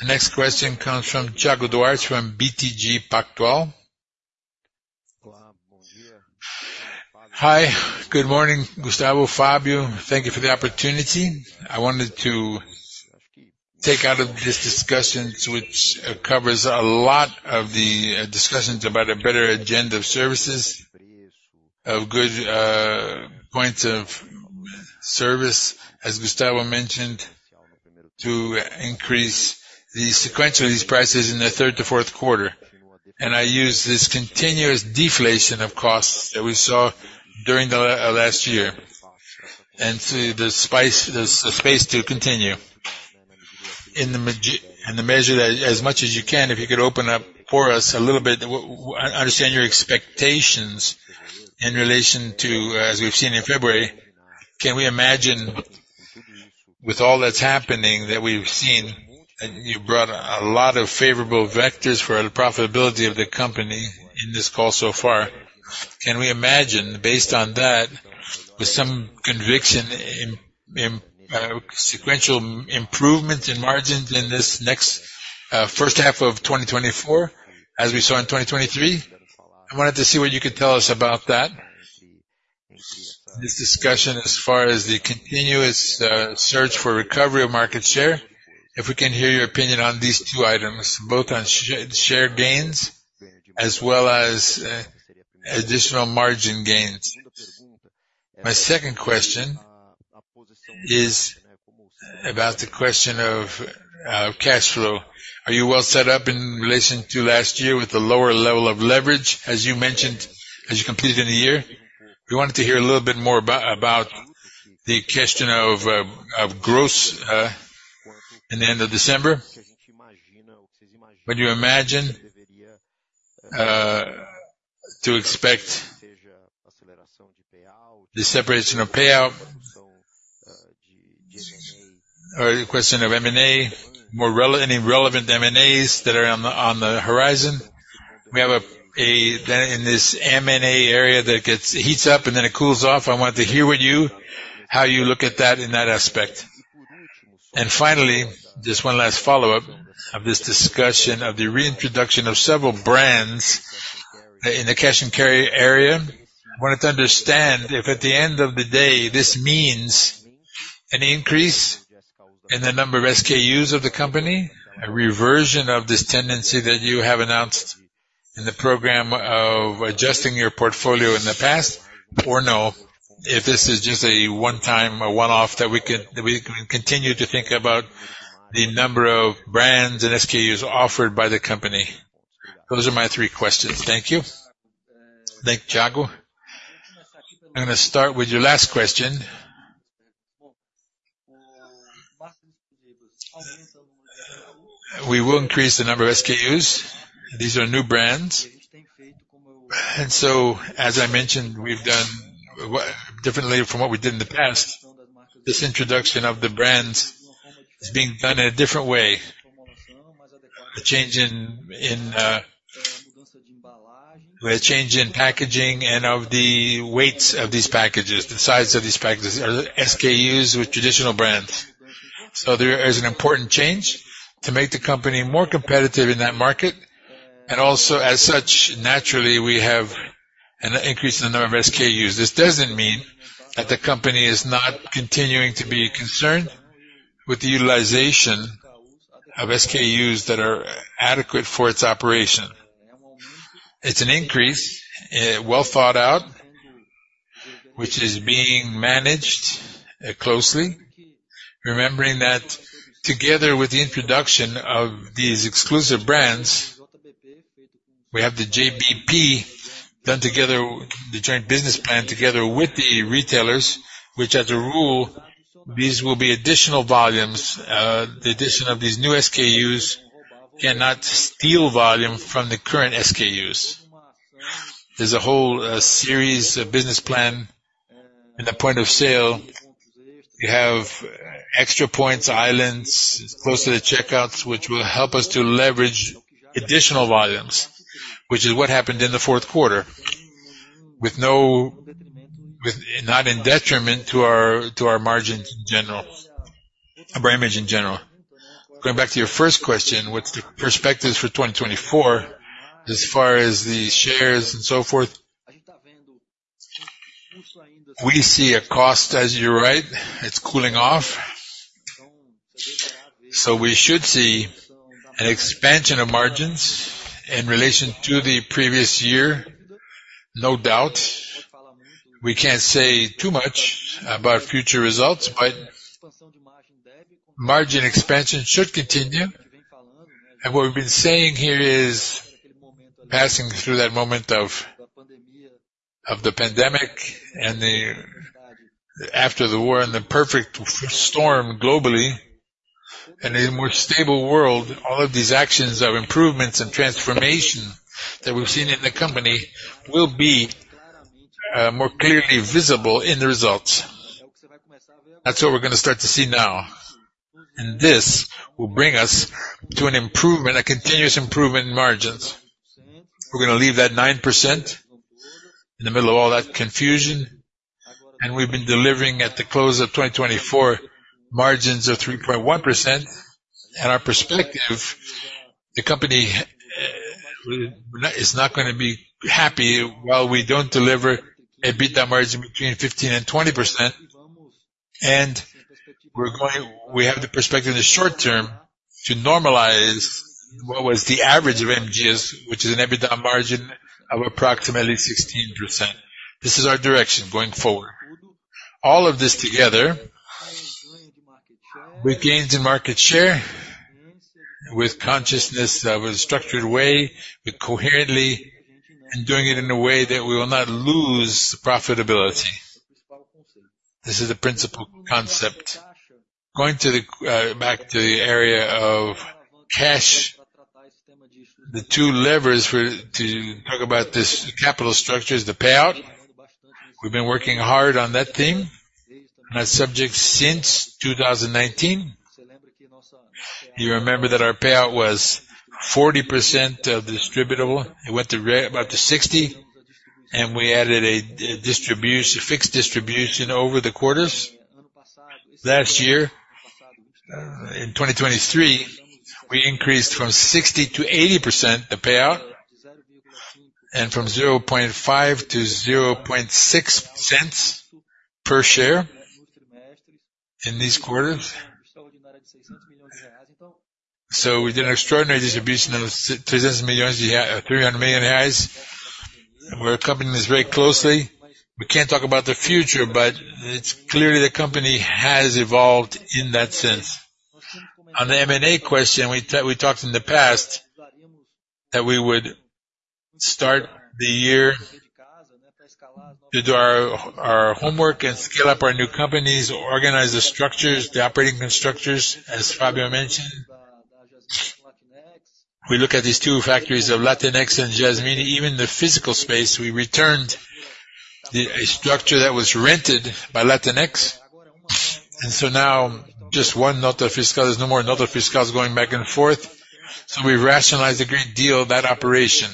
The next question comes from Thiago Duarte from BTG Pactual. Hi. Good morning, Gustavo. Fabio, thank you for the opportunity. I wanted to take out of this discussion, which covers a lot of the discussions about a better agenda of services, of good points of service, as Gustavo mentioned, to increase the sequence of these prices in the third to fourth quarter. I use this continuous deflation of costs that we saw during the last year and see the space to continue. In the measure that as much as you can, if you could open up for us a little bit to understand your expectations in relation to, as we've seen in February, can we imagine with all that's happening that we've seen and you brought a lot of favorable vectors for profitability of the company in this call so far, can we imagine based on that with some conviction in sequential improvements in margins in this first half of 2024 as we saw in 2023? I wanted to see what you could tell us about that, this discussion as far as the continuous search for recovery of market share, if we can hear your opinion on these two items, both on share gains as well as additional margin gains. My second question is about the question of cash flow. Are you well set up in relation to last year with the lower level of leverage as you mentioned, as you completed in the year? We wanted to hear a little bit more about the question of gross in the end of December. Would you imagine to expect the separation of payout or the question of M&A, any relevant M&As that are on the horizon? We have a then in this M&A area that heats up and then it cools off. I wanted to hear with you how you look at that in that aspect. Finally, just one last follow-up of this discussion of the reintroduction of several brands in the cash and carry area. I wanted to understand if at the end of the day, this means an increase in the number of SKUs of the company, a reversion of this tendency that you have announced in the program of adjusting your portfolio in the past, or no, if this is just a one-time, a one-off that we can continue to think about the number of brands and SKUs offered by the company. Those are my three questions. Thank you. Thank you, Tiago. I'm going to start with your last question. We will increase the number of SKUs. These are new brands. And so as I mentioned, we've done differently from what we did in the past. This introduction of the brands is being done in a different way. A change in packaging and of the weights of these packages, the size of these packages, or SKUs with traditional brands. There is an important change to make the company more competitive in that market. Also as such, naturally, we have an increase in the number of SKUs. This doesn't mean that the company is not continuing to be concerned with the utilization of SKUs that are adequate for its operation. It's an increase, well thought out, which is being managed closely. Remembering that together with the introduction of these exclusive brands, we have the JBP done together, the joint business plan together with the retailers, which as a rule, these will be additional volumes. The addition of these new SKUs cannot steal volume from the current SKUs. There's a whole series of business plan and the point of sale. You have extra points, islands close to the checkouts, which will help us to leverage additional volumes, which is what happened in the fourth quarter, not in detriment to our margins in general, our image in general. Going back to your first question, what's the perspectives for 2024 as far as the shares and so forth? We see a cost, as you're right. It's cooling off. So we should see an expansion of margins in relation to the previous year, no doubt. We can't say too much about future results, but margin expansion should continue. What we've been saying here is passing through that moment of the pandemic and after the war and the perfect storm globally and a more stable world, all of these actions of improvements and transformation that we've seen in the company will be more clearly visible in the results. That's what we're going to start to see now. This will bring us to an improvement, a continuous improvement in margins. We're going to leave that 9% in the middle of all that confusion. We've been delivering at the close of 2024 margins of 3.1%. Our perspective, the company is not going to be happy while we don't deliver a beat that margin between 15%-20%. We have the perspective in the short term to normalize what was the average of M. Dias, which is an EBITDA margin of approximately 16%. This is our direction going forward. All of this together with gains in market share, with consciousness of a structured way, with coherently and doing it in a way that we will not lose profitability. This is a principal concept. Going back to the area of cash, the two levers to talk about this capital structure is the payout. We've been working hard on that theme and that subject since 2019. You remember that our payout was 40% of distributable. It went to about 60. And we added a fixed distribution over the quarters. Last year, in 2023, we increased from 60%-80% the payout and from 0.5 to 0.6 cents per share in these quarters. So we did an extraordinary distribution of 300 million. And we're accompanying this very closely. We can't talk about the future, but it's clearly the company has evolved in that sense. On the M&A question, we talked in the past that we would start the year to do our homework and scale up our new companies, organize the structures, the operating structures, as Fabio mentioned. We look at these two factories of Latinex and Jasmine. Even the physical space, we returned a structure that was rented by Latinex. So now just one nota fiscal. There's no more nota fiscal going back and forth. We rationalized a great deal that operation.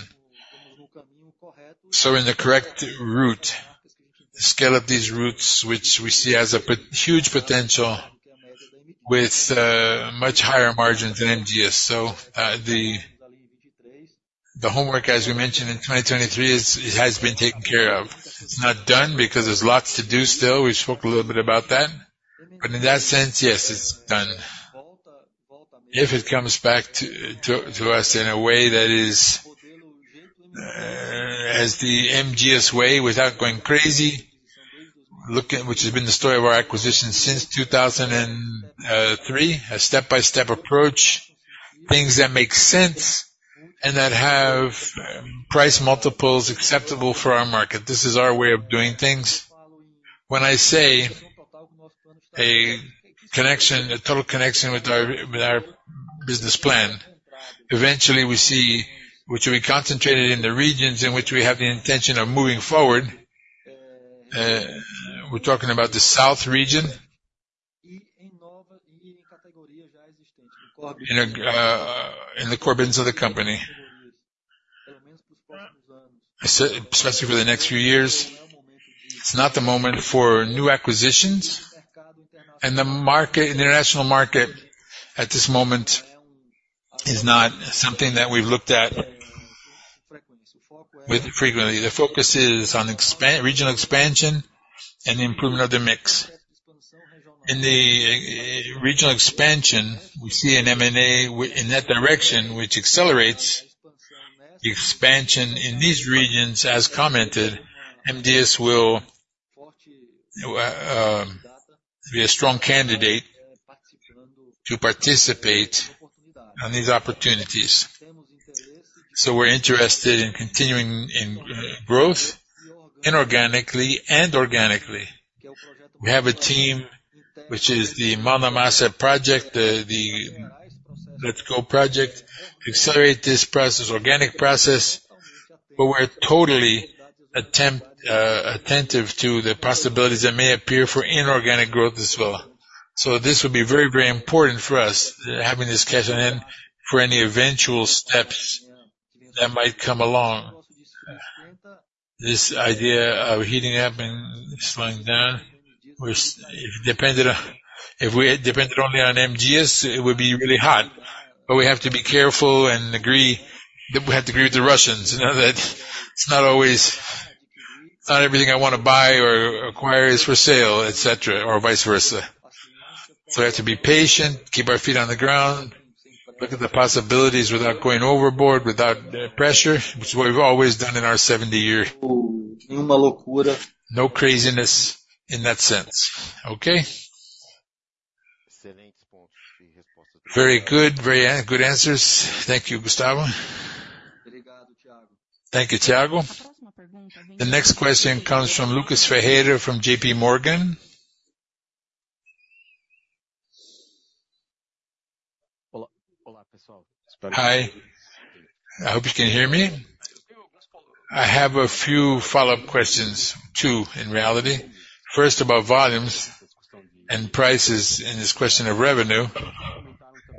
We're in the correct route, scale up these routes, which we see as a huge potential with much higher margins than M. Dias. The homework, as we mentioned, in 2023, it has been taken care of. It's not done because there's lots to do still. We spoke a little bit about that. But in that sense, yes, it's done. If it comes back to us in a way that is as the MDB way without going crazy, which has been the story of our acquisition since 2003, a step-by-step approach, things that make sense and that have price multiples acceptable for our market. This is our way of doing things. When I say a total connection with our business plan, eventually, we see which we concentrated in the regions in which we have the intention of moving forward. We're talking about the south region. In the corridors of the company, especially for the next few years. It's not the moment for new acquisitions. And the international market at this moment is not something that we've looked at frequently. The focus is on regional expansion and the improvement of the mix. In the regional expansion, we see an M&A in that direction, which accelerates expansion in these regions. As commented, M. Dias Branco will be a strong candidate to participate in these opportunities. So we're interested in continuing in growth inorganically and organically. We have a team, which is the Mão na Massa project, the Let's Go project, accelerate this process, organic process, but we're totally attentive to the possibilities that may appear for inorganic growth as well. So this would be very, very important for us, having this cash on hand for any eventual steps that might come along. This idea of heating up and slowing down, if it depended only on M. Dias Branco, it would be really hot. But we have to be careful and agree that we have to agree with the Russians, that it's not always not everything I want to buy or acquire is for sale, etc., or vice versa. So we have to be patient, keep our feet on the ground, look at the possibilities without going overboard, without pressure, which is what we've always done in our 70-year no craziness in that sense. Okay? Very good answers. Thank you, Gustavo. Thank you, Tiago. The next question comes from Lucas Ferreira from JP Morgan. Olá, pessoal. Hi. I hope you can hear me. I have a few follow-up questions, two, in reality. First, about volumes and prices in this question of revenue.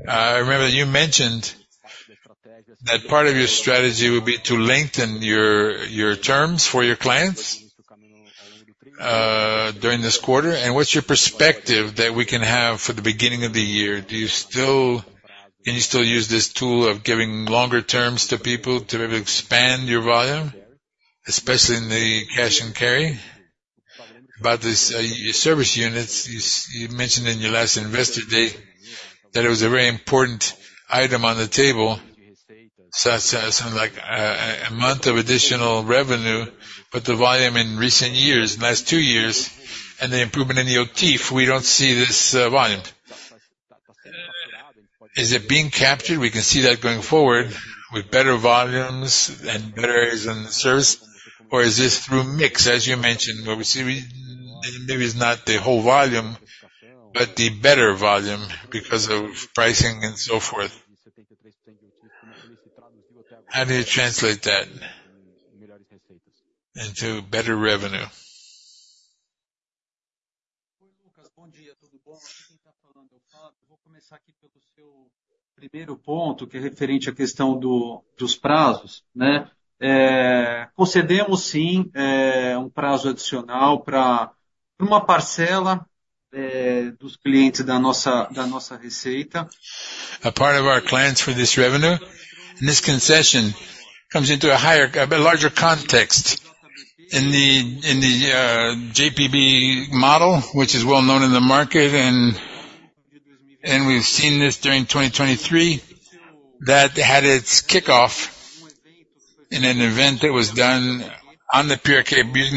I remember that you mentioned that part of your strategy would be to lengthen your terms for your clients during this quarter. And what's your perspective that we can have for the beginning of the year? Can you still use this tool of giving longer terms to people to be able to expand your volume, especially in the cash and carry? About your service units, you mentioned in your last investor day that it was a very important item on the table, something like a month of additional revenue. But the volume in recent years, last two years, and the improvement in the OTIF, we don't see this volume. Is it being captured? We can see that going forward with better volumes and better areas in the service. Or is this through mix, as you mentioned, where we see maybe it's not the whole volume, but the better volume because of pricing and so forth? How do you translate that into better revenue? Vou começar aqui pelo seu primeiro ponto, que é referente à questão dos prazos. Concedemos, sim, prazo adicional para uma parcela dos clientes da nossa receita. A part of our clients for this revenue. And this concession comes into a larger context. In the JBP model, which is well known in the market, and we've seen this during 2023, that had its kickoff in an event that was done using the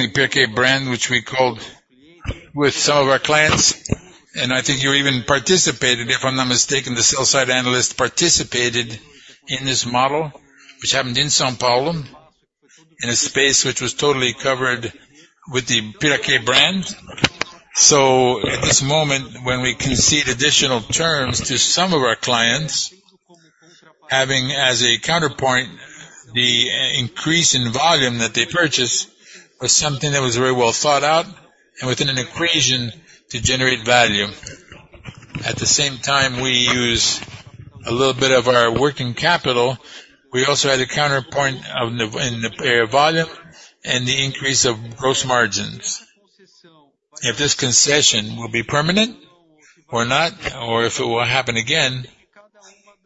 Piraquê brand, which we called with some of our clients. And I think you even participated, if I'm not mistaken, the sell-side analyst participated in this model, which happened in São Paulo, in a space which was totally covered with the Piraquê brand. So at this moment, when we concede additional terms to some of our clients, having as a counterpoint the increase in volume that they purchase was something that was very well thought out and within an equation to generate value. At the same time, we use a little bit of our working capital. We also had a counterpoint in the area of volume and the increase of gross margins. If this concession will be permanent or not, or if it will happen again,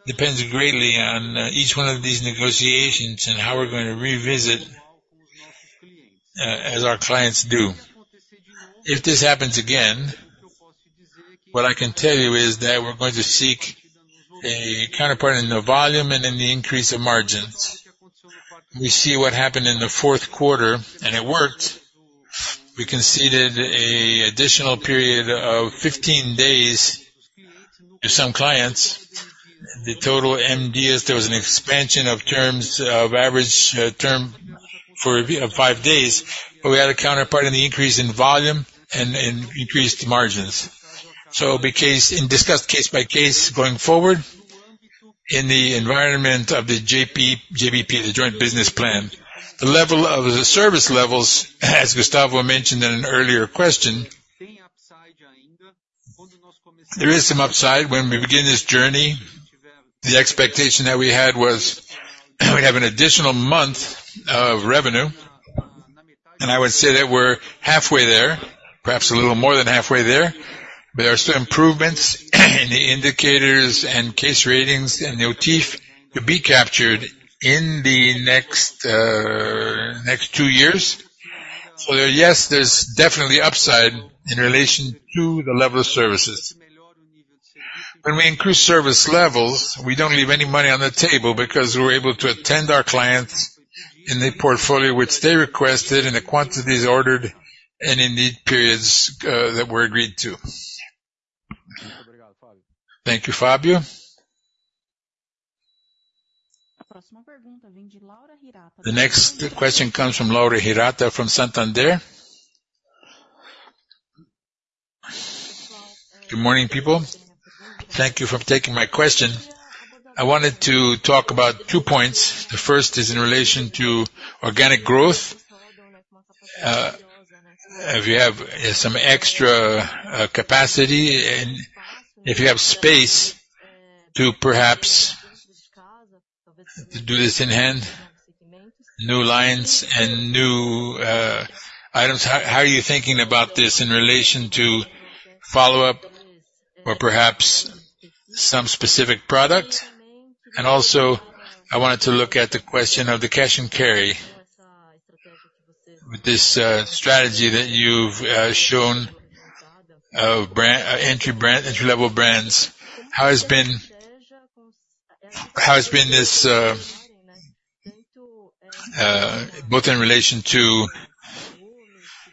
depends greatly on each one of these negotiations and how we're going to revisit as our clients do. If this happens again, what I can tell you is that we're going to seek a counterpart in the volume and in the increase of margins. We see what happened in the fourth quarter, and it worked. We conceded an additional period of 15 days to some clients. The total MDS, there was an expansion of average term for 5 days, but we had a counterpart in the increase in volume and increased margins. So it's discussed case by case going forward in the environment of the JBP, the joint business plan, the level of service levels, as Gustavo mentioned in an earlier question, there is some upside. When we begin this journey, the expectation that we had was we'd have an additional month of revenue. And I would say that we're halfway there, perhaps a little more than halfway there. But there are still improvements in the indicators and Case Fill Rate and the OTIF to be captured in the next two years. So yes, there's definitely upside in relation to the level of services. When we increase service levels, we don't leave any money on the table because we're able to attend our clients in the portfolio which they requested and the quantities ordered and in the periods that were agreed to. Thank you, Fabio. The next question comes from Laura Hirata from Santander. Good morning, people. Thank you for taking my question. I wanted to talk about two points. The first is in relation to organic growth. If you have some extra capacity and if you have space to perhaps do this in hand, new lines and new items, how are you thinking about this in relation to follow-up or perhaps some specific product? And also, I wanted to look at the question of the cash and carry with this strategy that you've shown of entry-level brands. How has been this both in relation to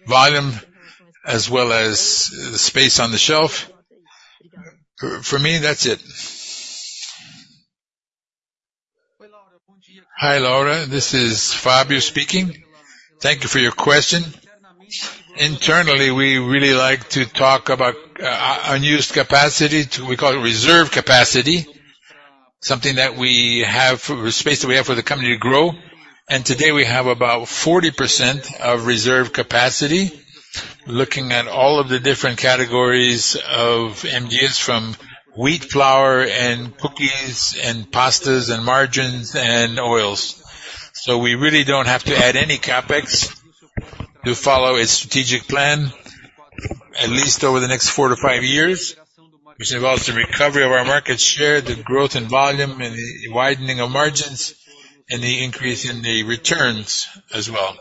volume as well as the space on the shelf? For me, that's it. Hi, Laura. This is Fabio speaking. Thank you for your question. Internally, we really like to talk about unused capacity. We call it reserve capacity, something that we have space that we have for the company to grow. And today, we have about 40% of reserve capacity looking at all of the different categories of M. Dias Branco from wheat flour and cookies and pastas and margarines and oils. So we really don't have to add any CapEx to follow a strategic plan, at least over the next 4-5 years, which involves the recovery of our market share, the growth in volume, and the widening of margins and the increase in the returns as well.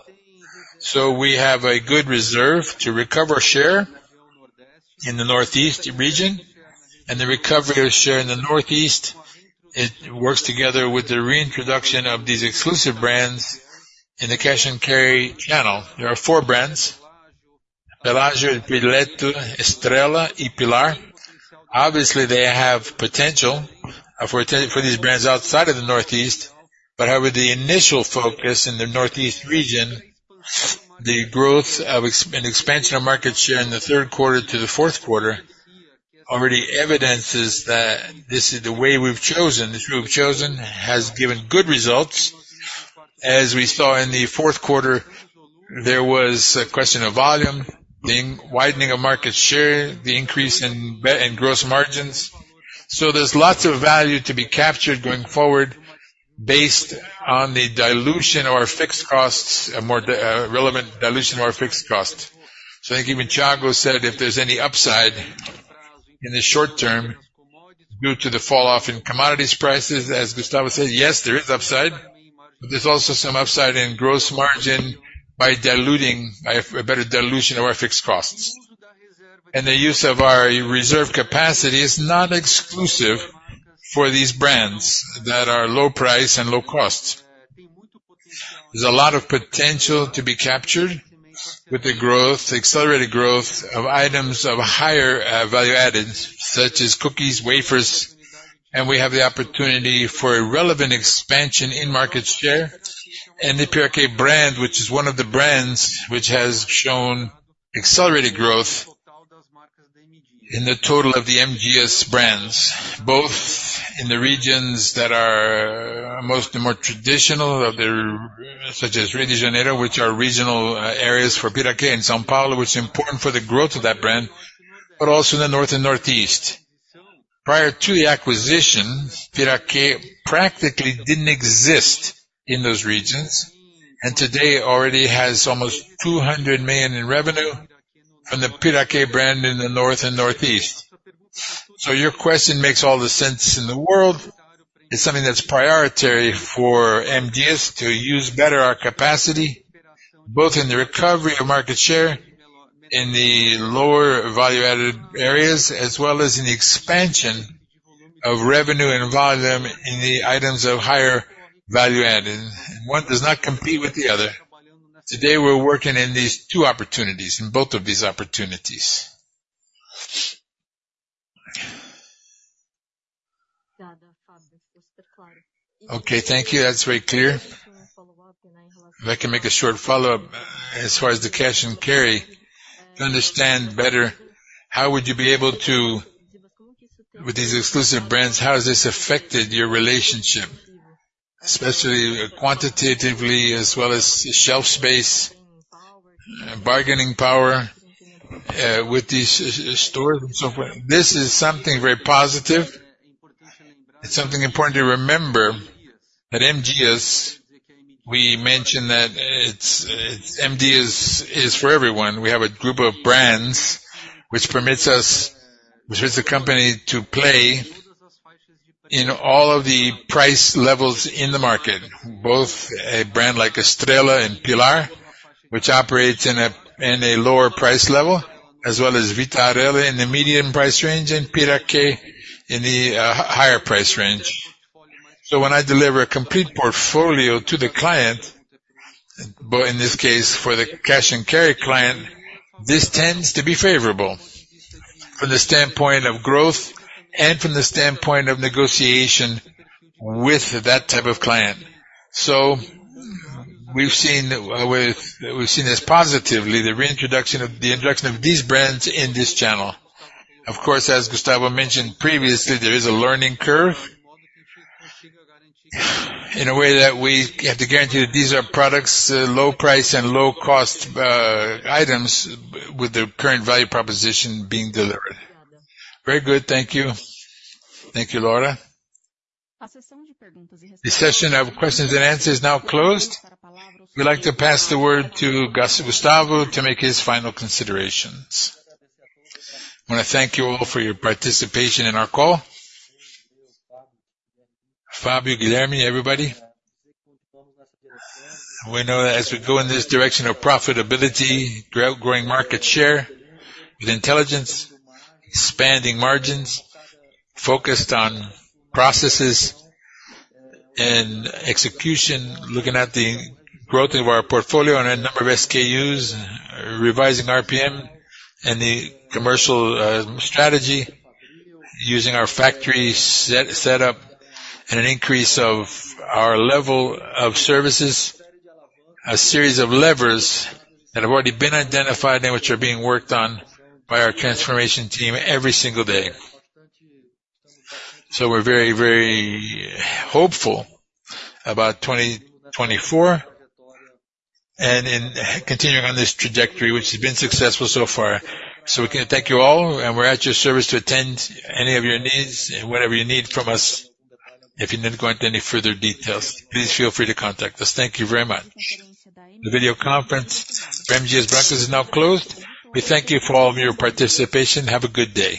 So we have a good reserve to recover share in the northeast region. And the recovery of share in the northeast, it works together with the reintroduction of these exclusive brands in the cash and carry channel. There are four brands: Pelaggio, Richester, Estrela, and Pilar. Obviously, they have potential for these brands outside of the northeast. But however, the initial focus in the northeast region, the growth and expansion of market share in the third quarter to the fourth quarter already evidences that this is the way we've chosen. This route we've chosen has given good results. As we saw in the fourth quarter, there was a question of volume, the widening of market share, the increase in gross margins. So there's lots of value to be captured going forward based on the dilution of our fixed costs, a more relevant dilution of our fixed costs. So I think even Tiago said if there's any upside in the short term due to the falloff in commodities prices. As Gustavo said, yes, there is upside. But there's also some upside in gross margin by a better dilution of our fixed costs. And the use of our reserve capacity is not exclusive for these brands that are low price and low costs. There's a lot of potential to be captured with the accelerated growth of items of higher value added, such as cookies, wafers. And we have the opportunity for a relevant expansion in market share. And the Piraquê brand, which is one of the brands which has shown accelerated growth in the total of the M. Dias Branco brands, both in the regions that are the more traditional, such as Rio de Janeiro, which are regional areas for Piraquê, and São Paulo, which is important for the growth of that brand, but also in the north and northeast. Prior to the acquisition, Piraquê practically didn't exist in those regions. And today, it already has almost 200 million in revenue from the Piraquê brand in the north and northeast. So your question makes all the sense in the world. It's something that's a priority for M. Dias Branco to use better our capacity, both in the recovery of market share in the lower value added areas as well as in the expansion of revenue and volume in the items of higher value added. And one does not compete with the other. Today, we're working in these two opportunities, in both of these opportunities. Okay. Thank you. That's very clear. If I can make a short follow-up as far as the cash and carry, to understand better, how would you be able to with these exclusive brands, how has this affected your relationship, especially quantitatively as well as shelf space, bargaining power with these stores and so forth? This is something very positive. It's something important to remember at M. Dias Branco. We mentioned that M. Dias Branco is for everyone. We have a group of brands which permits us, which permits the company to play in all of the price levels in the market, both a brand like Estrela and Pilar, which operates in a lower price level, as well as Vitarella in the medium price range and Piraquê in the higher price range. So when I deliver a complete portfolio to the client, but in this case, for the cash and carry client, this tends to be favorable from the standpoint of growth and from the standpoint of negotiation with that type of client. So we've seen this positively, the introduction of these brands in this channel. Of course, as Gustavo mentioned previously, there is a learning curve in a way that we have to guarantee that these are products, low price and low cost items, with the current value proposition being delivered. Very good. Thank you. Thank you, Laura. The session of questions and answers is now closed. We'd like to pass the word to Gustavo to make his final considerations. I want to thank you all for your participation in our call. Fabio, Guilherme, everybody. We know that as we go in this direction of profitability, growing market share with intelligence, expanding margins, focused on processes and execution, looking at the growth of our portfolio and a number of SKUs, revising RGM and the commercial strategy, using our factory setup, and an increase of our level of services, a series of levers that have already been identified and which are being worked on by our transformation team every single day. We're very, very hopeful about 2024 and continuing on this trajectory, which has been successful so far. We can thank you all. We're at your service to attend any of your needs and whatever you need from us. If you need to go into any further details, please feel free to contact us. Thank you very much. The video conference for M. Dias Branco is now closed. We thank you for all of your participation. Have a good day.